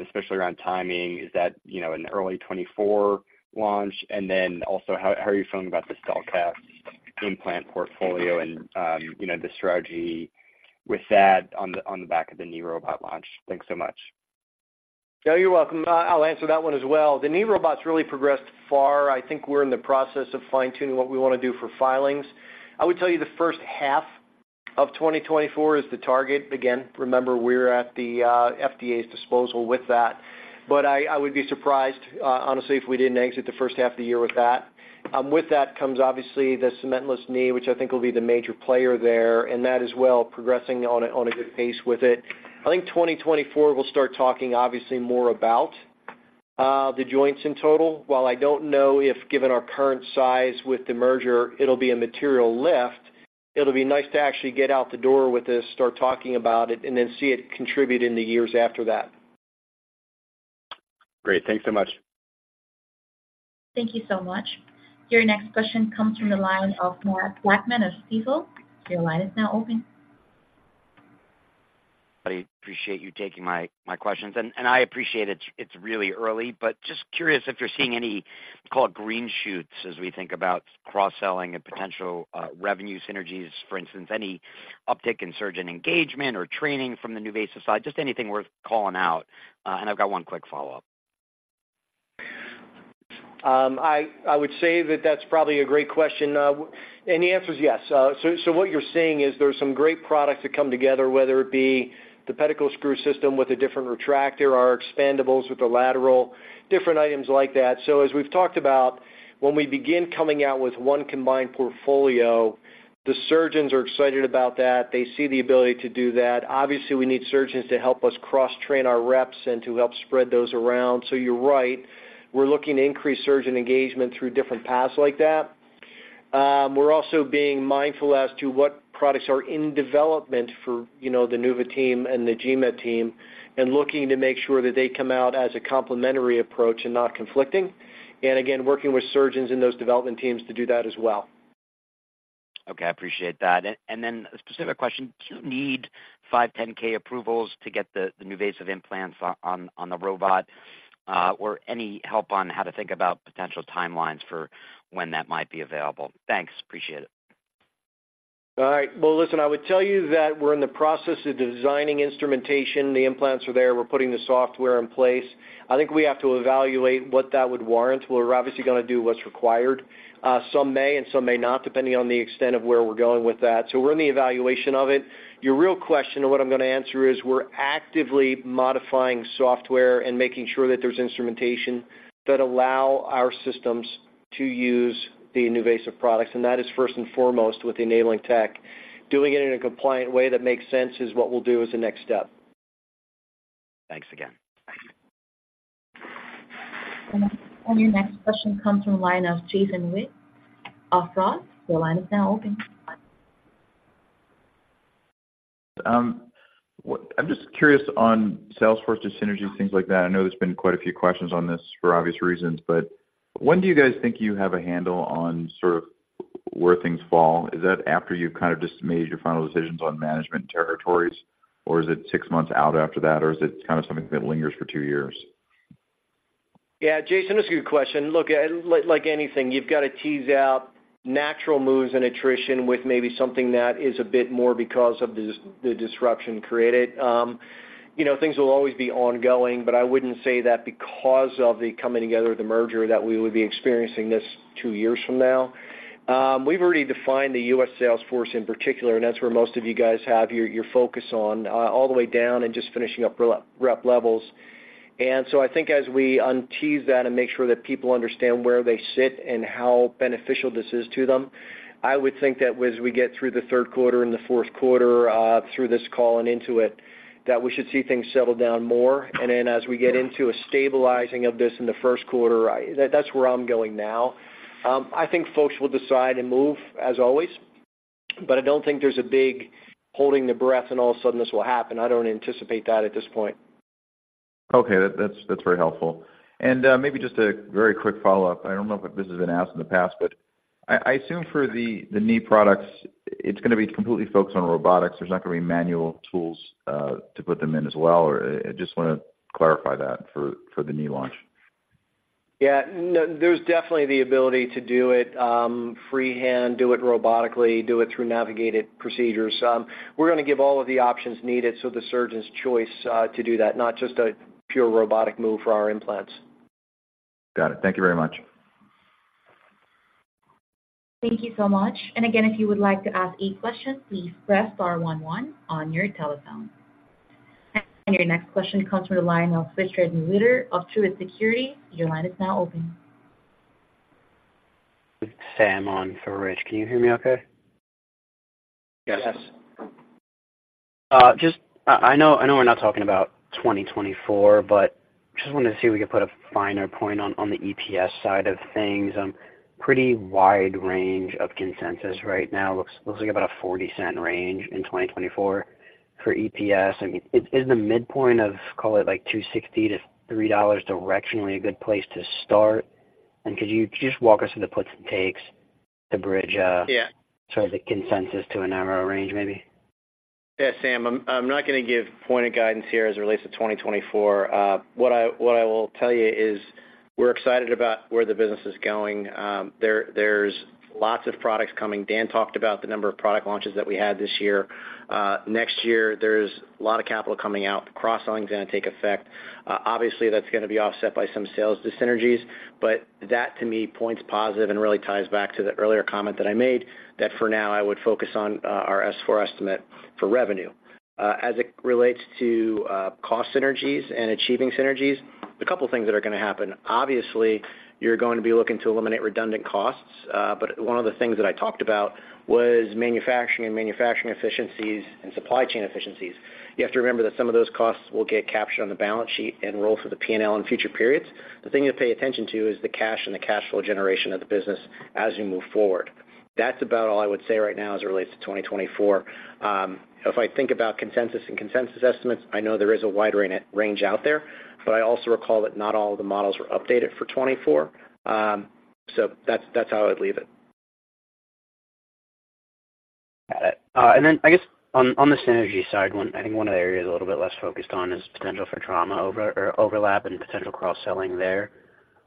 Speaker 10: especially around timing? Is that, you know, an early 2024 launch? And then also, how, how are you feeling about the StelKast implant portfolio and, you know, the strategy with that on the, on the back of the knee robot launch? Thanks so much.
Speaker 3: Yeah, you're welcome. I'll answer that one as well. The knee robot's really progressed far. I think we're in the process of fine-tuning what we want to do for filings. I would tell you the first half of 2024 is the target. Again, remember, we're at the FDA's disposal with that. But I would be surprised, honestly, if we didn't exit the first half of the year with that. With that comes, obviously, the cementless knee, which I think will be the major player there, and that as well, progressing on a good pace with it. I think 2024, we'll start talking obviously more about the joints in total. While I don't know if, given our current size with the merger, it'll be a material lift, it'll be nice to actually get out the door with this, start talking about it, and then see it contribute in the years after that.
Speaker 10: Great. Thanks so much.
Speaker 1: Thank you so much. Your next question comes from the line of Matt Blackman of Stifel. Your line is now open.
Speaker 11: I appreciate you taking my questions, and I appreciate it's really early, but just curious if you're seeing any, call it, green shoots as we think about cross-selling and potential revenue synergies. For instance, any uptick in surgeon engagement or training from the NuVasive side? Just anything worth calling out, and I've got one quick follow-up.
Speaker 3: I would say that that's probably a great question. The answer is yes. What you're seeing is there are some great products that come together, whether it be the pedicle screw system with a different retractor, our expandables with the lateral, different items like that. As we've talked about, when we begin coming out with one combined portfolio, the surgeons are excited about that. They see the ability to do that. Obviously, we need surgeons to help us cross-train our reps and to help spread those around. You're right, we're looking to increase surgeon engagement through different paths like that. We're also being mindful as to what products are in development for, you know, the NuVa team and the GMed team, and looking to make sure that they come out as a complementary approach and not conflicting. Again, working with surgeons and those development teams to do that as well.
Speaker 11: Okay, I appreciate that. And then a specific question: Do you need 510(k) approvals to get the NuVasive implants on the robot? Or any help on how to think about potential timelines for when that might be available. Thanks. Appreciate it.
Speaker 3: All right. Well, listen, I would tell you that we're in the process of designing instrumentation. The implants are there. We're putting the software in place. I think we have to evaluate what that would warrant. We're obviously gonna do what's required. Some may and some may not, depending on the extent of where we're going with that. So we're in the evaluation of it. Your real question, and what I'm gonna answer, is we're actively modifying software and making sure that there's instrumentation that allow our systems to use the NuVasive products, and that is first and foremost with the enabling tech. Doing it in a compliant way that makes sense is what we'll do as the next step.
Speaker 11: Thanks again.
Speaker 3: Thanks.
Speaker 1: Your next question comes from the line of Jason Wittes of Roth. Your line is now open.
Speaker 12: What-- I'm just curious on sales force synergies, things like that. I know there's been quite a few questions on this for obvious reasons, but when do you guys think you have a handle on sort of where things fall? Is that after you've kind of just made your final decisions on management territories, or is it six months out after that, or is it kind of something that lingers for two years?
Speaker 3: Yeah, Jason, that's a good question. Look, like, like anything, you've got to tease out natural moves and attrition with maybe something that is a bit more because of the dis- the disruption created. You know, things will always be ongoing, but I wouldn't say that because of the coming together of the merger, that we would be experiencing this two years from now. We've already defined the U.S. sales force in particular, and that's where most of you guys have your focus on, all the way down and just finishing up rep levels. And so I think as we untease that and make sure that people understand where they sit and how beneficial this is to them, I would think that as we get through the third quarter and the fourth quarter, through this call and into it, that we should see things settle down more. And then as we get into a stabilizing of this in the first quarter, that's where I'm going now. I think folks will decide and move as always, but I don't think there's a big holding their breath and all of a sudden this will happen. I don't anticipate that at this point.
Speaker 12: Okay. That's very helpful. And maybe just a very quick follow-up. I don't know if this has been asked in the past, but I assume for the knee products... it's going to be completely focused on robotics. There's not going to be manual tools to put them in as well, or I just want to clarify that for the new launch.
Speaker 4: Yeah, no, there's definitely the ability to do it, freehand, do it robotically, do it through navigated procedures. We're going to give all of the options needed, so the surgeon's choice, to do that, not just a pure robotic move for our implants.
Speaker 12: Got it. Thank you very much.
Speaker 1: Thank you so much. And again, if you would like to ask a question, please press star one one on your telephone. And your next question comes from the line of Rich Newitter of Truist Securities. Your line is now open.
Speaker 13: Sam on for Rich. Can you hear me okay?
Speaker 4: Yes.
Speaker 13: Just, I know, I know we're not talking about 2024, but just wanted to see if we could put a finer point on the EPS side of things. Pretty wide range of consensus right now. Looks like about a $0.40 range in 2024 for EPS. I mean, is the midpoint of, call it, like, $2.60-$3 directionally a good place to start? And could you just walk us through the puts and takes to bridge?
Speaker 4: Yeah.
Speaker 13: Sort of the consensus to a narrower range maybe?
Speaker 4: Yeah, Sam, I'm, I'm not going to give pointed guidance here as it relates to 2024. What I, what I will tell you is we're excited about where the business is going. There, there's lots of products coming. Dan talked about the number of product launches that we had this year. Next year, there's a lot of capital coming out. The cross-selling is going to take effect. Obviously, that's going to be offset by some sales dyssynergies, but that, to me, points positive and really ties back to the earlier comment that I made, that for now, I would focus on our S-4 estimate for revenue. As it relates to cost synergies and achieving synergies, a couple of things that are going to happen. Obviously, you're going to be looking to eliminate redundant costs, but one of the things that I talked about was manufacturing and manufacturing efficiencies and supply chain efficiencies. You have to remember that some of those costs will get captured on the balance sheet and roll through the P&L in future periods. The thing to pay attention to is the cash and the cash flow generation of the business as we move forward. That's about all I would say right now as it relates to 2024. If I think about consensus and consensus estimates, I know there is a wide range, range out there, but I also recall that not all of the models were updated for 2024. So that's, that's how I would leave it.
Speaker 13: Got it. And then I guess on the synergy side, I think one of the areas a little bit less focused on is potential for trauma overlap and potential cross-selling there.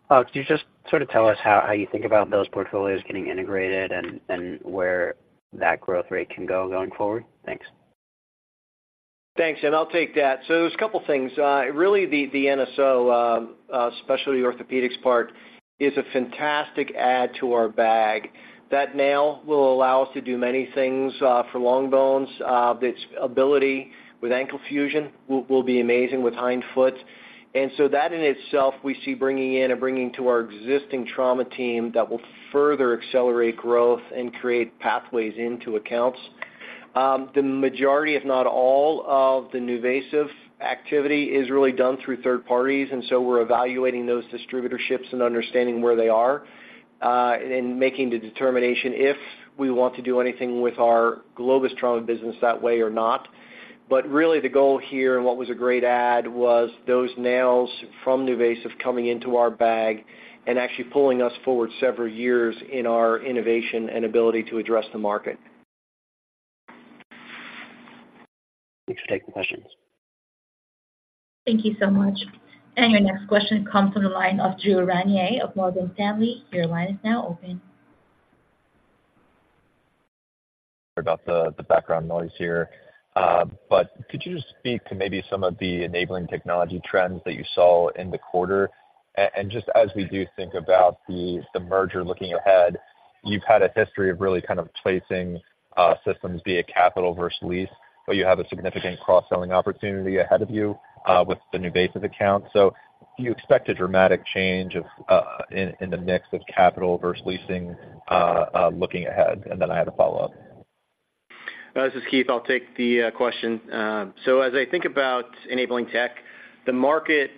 Speaker 13: Could you just sort of tell us how you think about those portfolios getting integrated and where that growth rate can go going forward? Thanks.
Speaker 3: Thanks, and I'll take that. So there's a couple of things. Really, the NSO specialty orthopedics part is a fantastic add to our bag. That nail will allow us to do many things for long bones. Its ability with ankle fusion will be amazing with hindfoot. And so that in itself, we see bringing in and bringing to our existing trauma team that will further accelerate growth and create pathways into accounts. The majority, if not all, of the NuVasive activity is really done through third parties, and so we're evaluating those distributorships and understanding where they are, and making the determination if we want to do anything with our Globus trauma business that way or not. But really, the goal here, and what was a great add, was those nails from NuVasive coming into our bag and actually pulling us forward several years in our innovation and ability to address the market.
Speaker 13: Thanks for taking the questions.
Speaker 1: Thank you so much. Your next question comes from the line of Drew Ranieri of Morgan Stanley. Your line is now open.
Speaker 14: About the background noise here. But could you just speak to maybe some of the enabling technology trends that you saw in the quarter? And just as we do think about the merger looking ahead, you've had a history of really kind of placing systems via capital versus lease, but you have a significant cross-selling opportunity ahead of you with the NuVasive account. So do you expect a dramatic change in the mix of capital versus leasing looking ahead? And then I had a follow-up.
Speaker 4: This is Keith. I'll take the question. So as I think about enabling tech, the market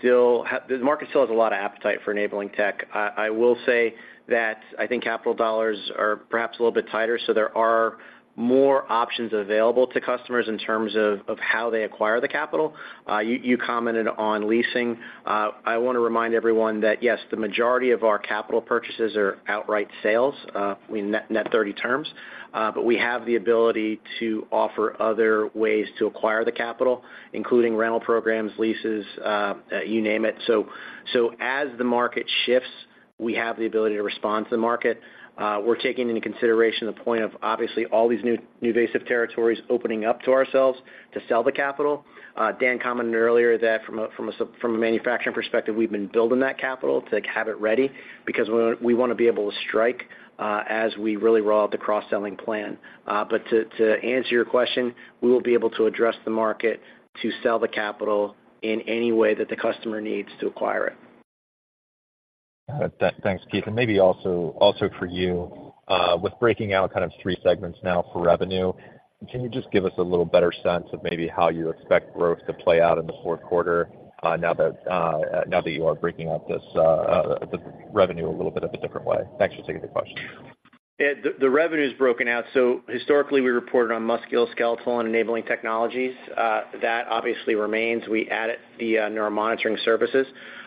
Speaker 4: still has a lot of appetite for enabling tech. I will say that I think capital dollars are perhaps a little bit tighter, so there are more options available to customers in terms of how they acquire the capital. You commented on leasing. I want to remind everyone that, yes, the majority of our capital purchases are outright sales, we net net 30 terms, but we have the ability to offer other ways to acquire the capital, including rental programs, leases, you name it. So as the market shifts, we have the ability to respond to the market. We're taking into consideration the point of, obviously, all these new NuVasive territories opening up to ourselves to sell the capital. Dan commented earlier that from a manufacturing perspective, we've been building that capital to have it ready because we want to be able to strike as we really roll out the cross-selling plan. But to answer your question, we will be able to address the market to sell the capital in any way that the customer needs to acquire it.
Speaker 14: Got it. Thanks, Keith. And maybe also for you, with breaking out kind of three segments now for revenue, can you just give us a little better sense of maybe how you expect growth to play out in the fourth quarter, now that you are breaking out this, the revenue a little bit of a different way? Thanks for taking the question....
Speaker 4: Yeah, the revenue is broken out. So historically, we reported on musculoskeletal and enabling technologies. That obviously remains. We added the neuromonitoring services.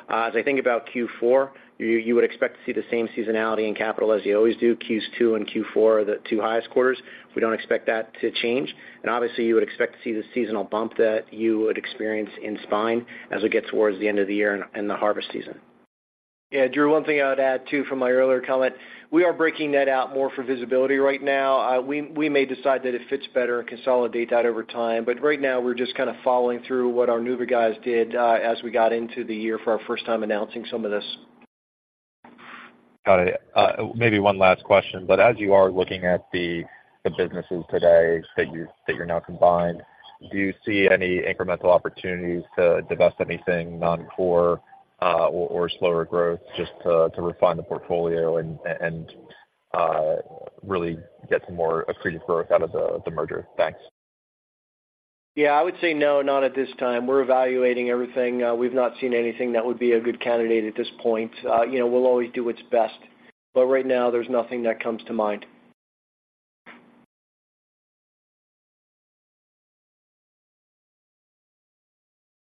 Speaker 4: As I think about Q4, you would expect to see the same seasonality in capital as you always do. Q2 and Q4 are the two highest quarters. We don't expect that to change. And obviously, you would expect to see the seasonal bump that you would experience in spine as we get towards the end of the year and the harvest season.
Speaker 3: Yeah, Drew, one thing I would add, too, from my earlier comment, we are breaking that out more for visibility right now. We may decide that it fits better and consolidate that over time, but right now, we're just kind of following through what our NuVasive guys did, as we got into the year for our first time announcing some of this.
Speaker 14: Got it. Maybe one last question, but as you are looking at the businesses today that you're now combined, do you see any incremental opportunities to divest anything non-core, or slower growth, just to refine the portfolio and really get some more accretive growth out of the merger? Thanks.
Speaker 3: Yeah, I would say no, not at this time. We're evaluating everything. We've not seen anything that would be a good candidate at this point. You know, we'll always do what's best, but right now there's nothing that comes to mind.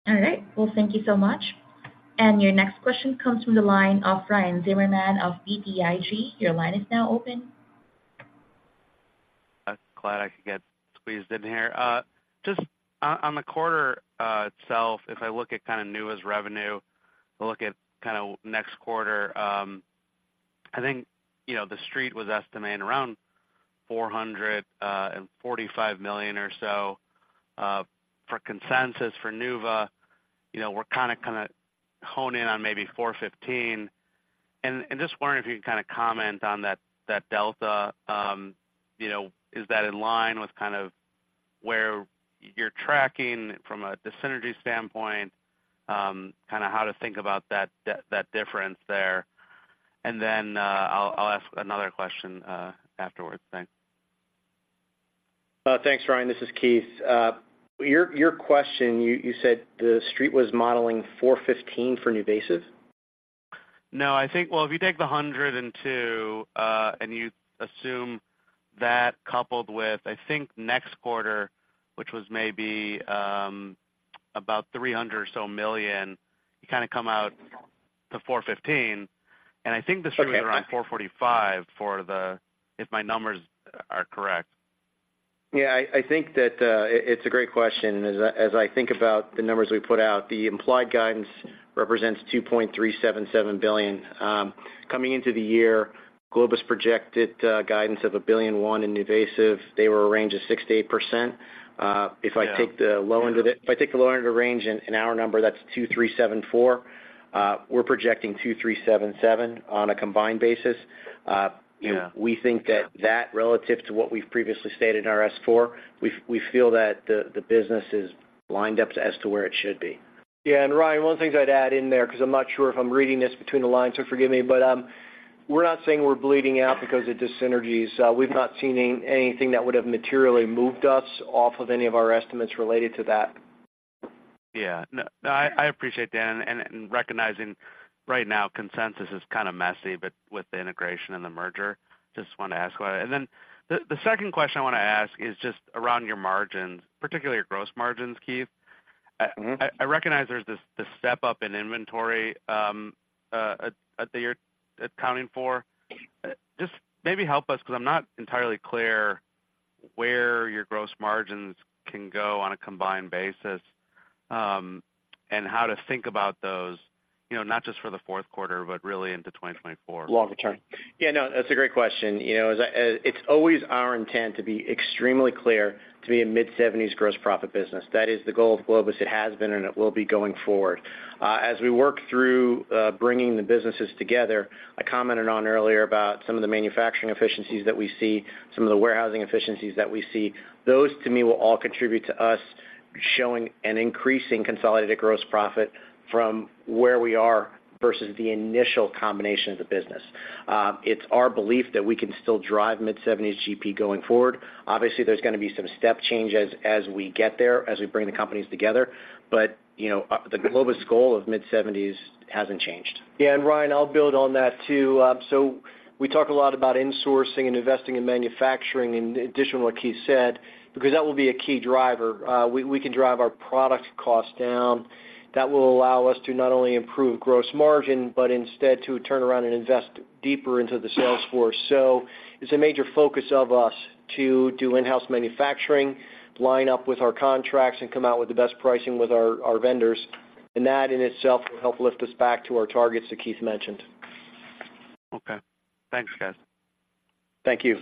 Speaker 1: All right. Well, thank you so much. Your next question comes from the line of Ryan Zimmerman of BTIG. Your line is now open.
Speaker 15: I'm glad I could get squeezed in here. Just on the quarter itself, if I look at kind of NuVasive's revenue, I look at kind of next quarter, I think, you know, the street was estimating around $445 million or so for consensus. For NuVasive, you know, we're kind of, kind of hone in on maybe $415 million. And just wondering if you can kind of comment on that, that delta. You know, is that in line with kind of where you're tracking from a synergy standpoint? Kind of how to think about that, that, that difference there. And then, I'll, I'll ask another question afterwards. Thanks.
Speaker 4: Thanks, Ryan. This is Keith. Your question, you said the street was modeling $415 million for NuVasive?
Speaker 15: No, I think... Well, if you take the $102 million, and you assume that coupled with, I think, next quarter, which was maybe, about $300 million or so, you kind of come out to $415 million. And I think the street was around $445 million for the- if my numbers are correct.
Speaker 4: Yeah, I, I think that, it's a great question. As I, as I think about the numbers we put out, the implied guidance represents $2.377 billion. Coming into the year, Globus projected guidance of $1.1 billion. In NuVasive, they were a range of 6%-8%. If I take the low end of it-
Speaker 15: Yeah.
Speaker 4: If I take the low end of the range and our number, that's $2.374 billion. We're projecting $2,377 on a combined basis.
Speaker 15: Yeah.
Speaker 4: We think that, relative to what we've previously stated in our S-4, we feel that the business is lined up as to where it should be.
Speaker 3: Yeah, and Ryan, one thing I'd add in there, because I'm not sure if I'm reading this between the lines, so forgive me, but we're not saying we're bleeding out because of dyssynergies. We've not seen anything that would have materially moved us off of any of our estimates related to that.
Speaker 15: Yeah. No, no, I appreciate that, and recognizing right now, consensus is kind of messy, but with the integration and the merger, just wanted to ask about it. And then the second question I want to ask is just around your margins, particularly your gross margins, Keith.
Speaker 4: Mm-hmm.
Speaker 15: I recognize there's this step up in inventory that you're accounting for. Just maybe help us, because I'm not entirely clear where your gross margins can go on a combined basis, and how to think about those, you know, not just for the fourth quarter, but really into 2024.
Speaker 3: Long term.
Speaker 4: Yeah, no, that's a great question. You know, as it's always our intent to be extremely clear, to be a mid-seventies gross profit business. That is the goal of Globus. It has been, and it will be going forward. As we work through bringing the businesses together, I commented on earlier about some of the manufacturing efficiencies that we see, some of the warehousing efficiencies that we see. Those, to me, will all contribute to us showing an increasing consolidated gross profit from where we are versus the initial combination of the business. It's our belief that we can still drive mid-seventies GP going forward. Obviously, there's going to be some step changes as we get there, as we bring the companies together, but you know, the Globus goal of mid-seventies hasn't changed.
Speaker 3: Yeah, and Ryan, I'll build on that, too. So we talk a lot about insourcing and investing in manufacturing in addition to what Keith said, because that will be a key driver. We can drive our product costs down. That will allow us to not only improve gross margin, but instead to turn around and invest deeper into the sales force. So it's a major focus of us to do in-house manufacturing, line up with our contracts, and come out with the best pricing with our vendors. And that in itself will help lift us back to our targets that Keith mentioned.
Speaker 15: Okay. Thanks, guys.
Speaker 3: Thank you.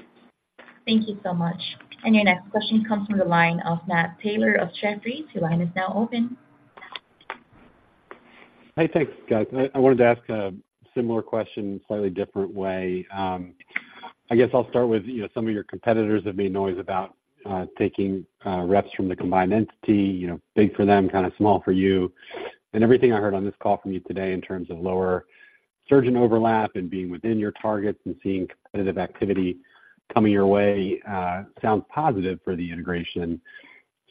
Speaker 1: Thank you so much. Your next question comes from the line of Matt Taylor of Jefferies. Your line is now open.
Speaker 16: Hey, thanks, guys. I wanted to ask a similar question, slightly different way. I guess I'll start with, you know, some of your competitors have made noise about taking reps from the combined entity, you know, big for them, kind of small for you. And everything I heard on this call from you today in terms of lower surgeon overlap and being within your targets and seeing competitive activity coming your way, sounds positive for the integration.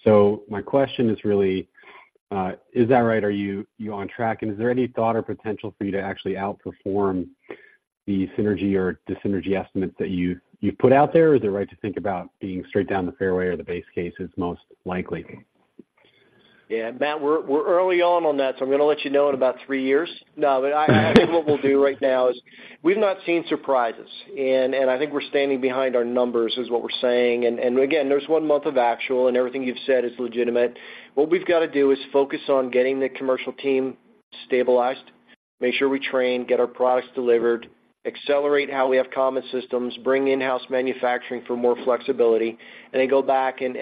Speaker 16: So my question is really, is that right? Are you on track, and is there any thought or potential for you to actually outperform the synergy or dyssynergy estimates that you've put out there? Or is it right to think about being straight down the fairway or the base case is most likely?
Speaker 3: Yeah, Matt, we're early on that, so I'm going to let you know in about three years. No, but I think what we'll do right now is we've not seen surprises, and I think we're standing behind our numbers, is what we're saying. And again, there's one month of actual, and everything you've said is legitimate. What we've got to do is focus on getting the commercial team stabilized, make sure we train, get our products delivered, accelerate how we have common systems, bring in-house manufacturing for more flexibility, and then go back and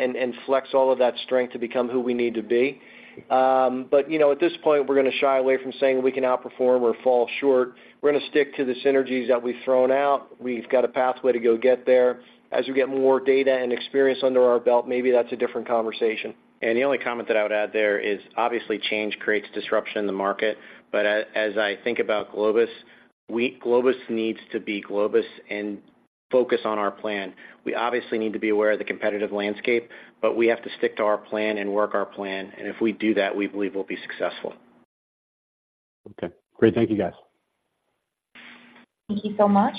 Speaker 3: flex all of that strength to become who we need to be. But you know, at this point, we're going to shy away from saying we can outperform or fall short. We're going to stick to the synergies that we've thrown out. We've got a pathway to go get there. As we get more data and experience under our belt, maybe that's a different conversation.
Speaker 4: The only comment that I would add there is, obviously, change creates disruption in the market, but as I think about Globus, Globus needs to be Globus and focus on our plan. We obviously need to be aware of the competitive landscape, but we have to stick to our plan and work our plan, and if we do that, we believe we'll be successful.
Speaker 16: Okay. Great. Thank you, guys.
Speaker 1: Thank you so much.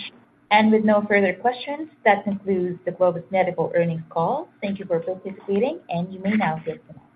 Speaker 1: With no further questions, that concludes the Globus Medical earnings call. Thank you for participating, and you may now disconnect.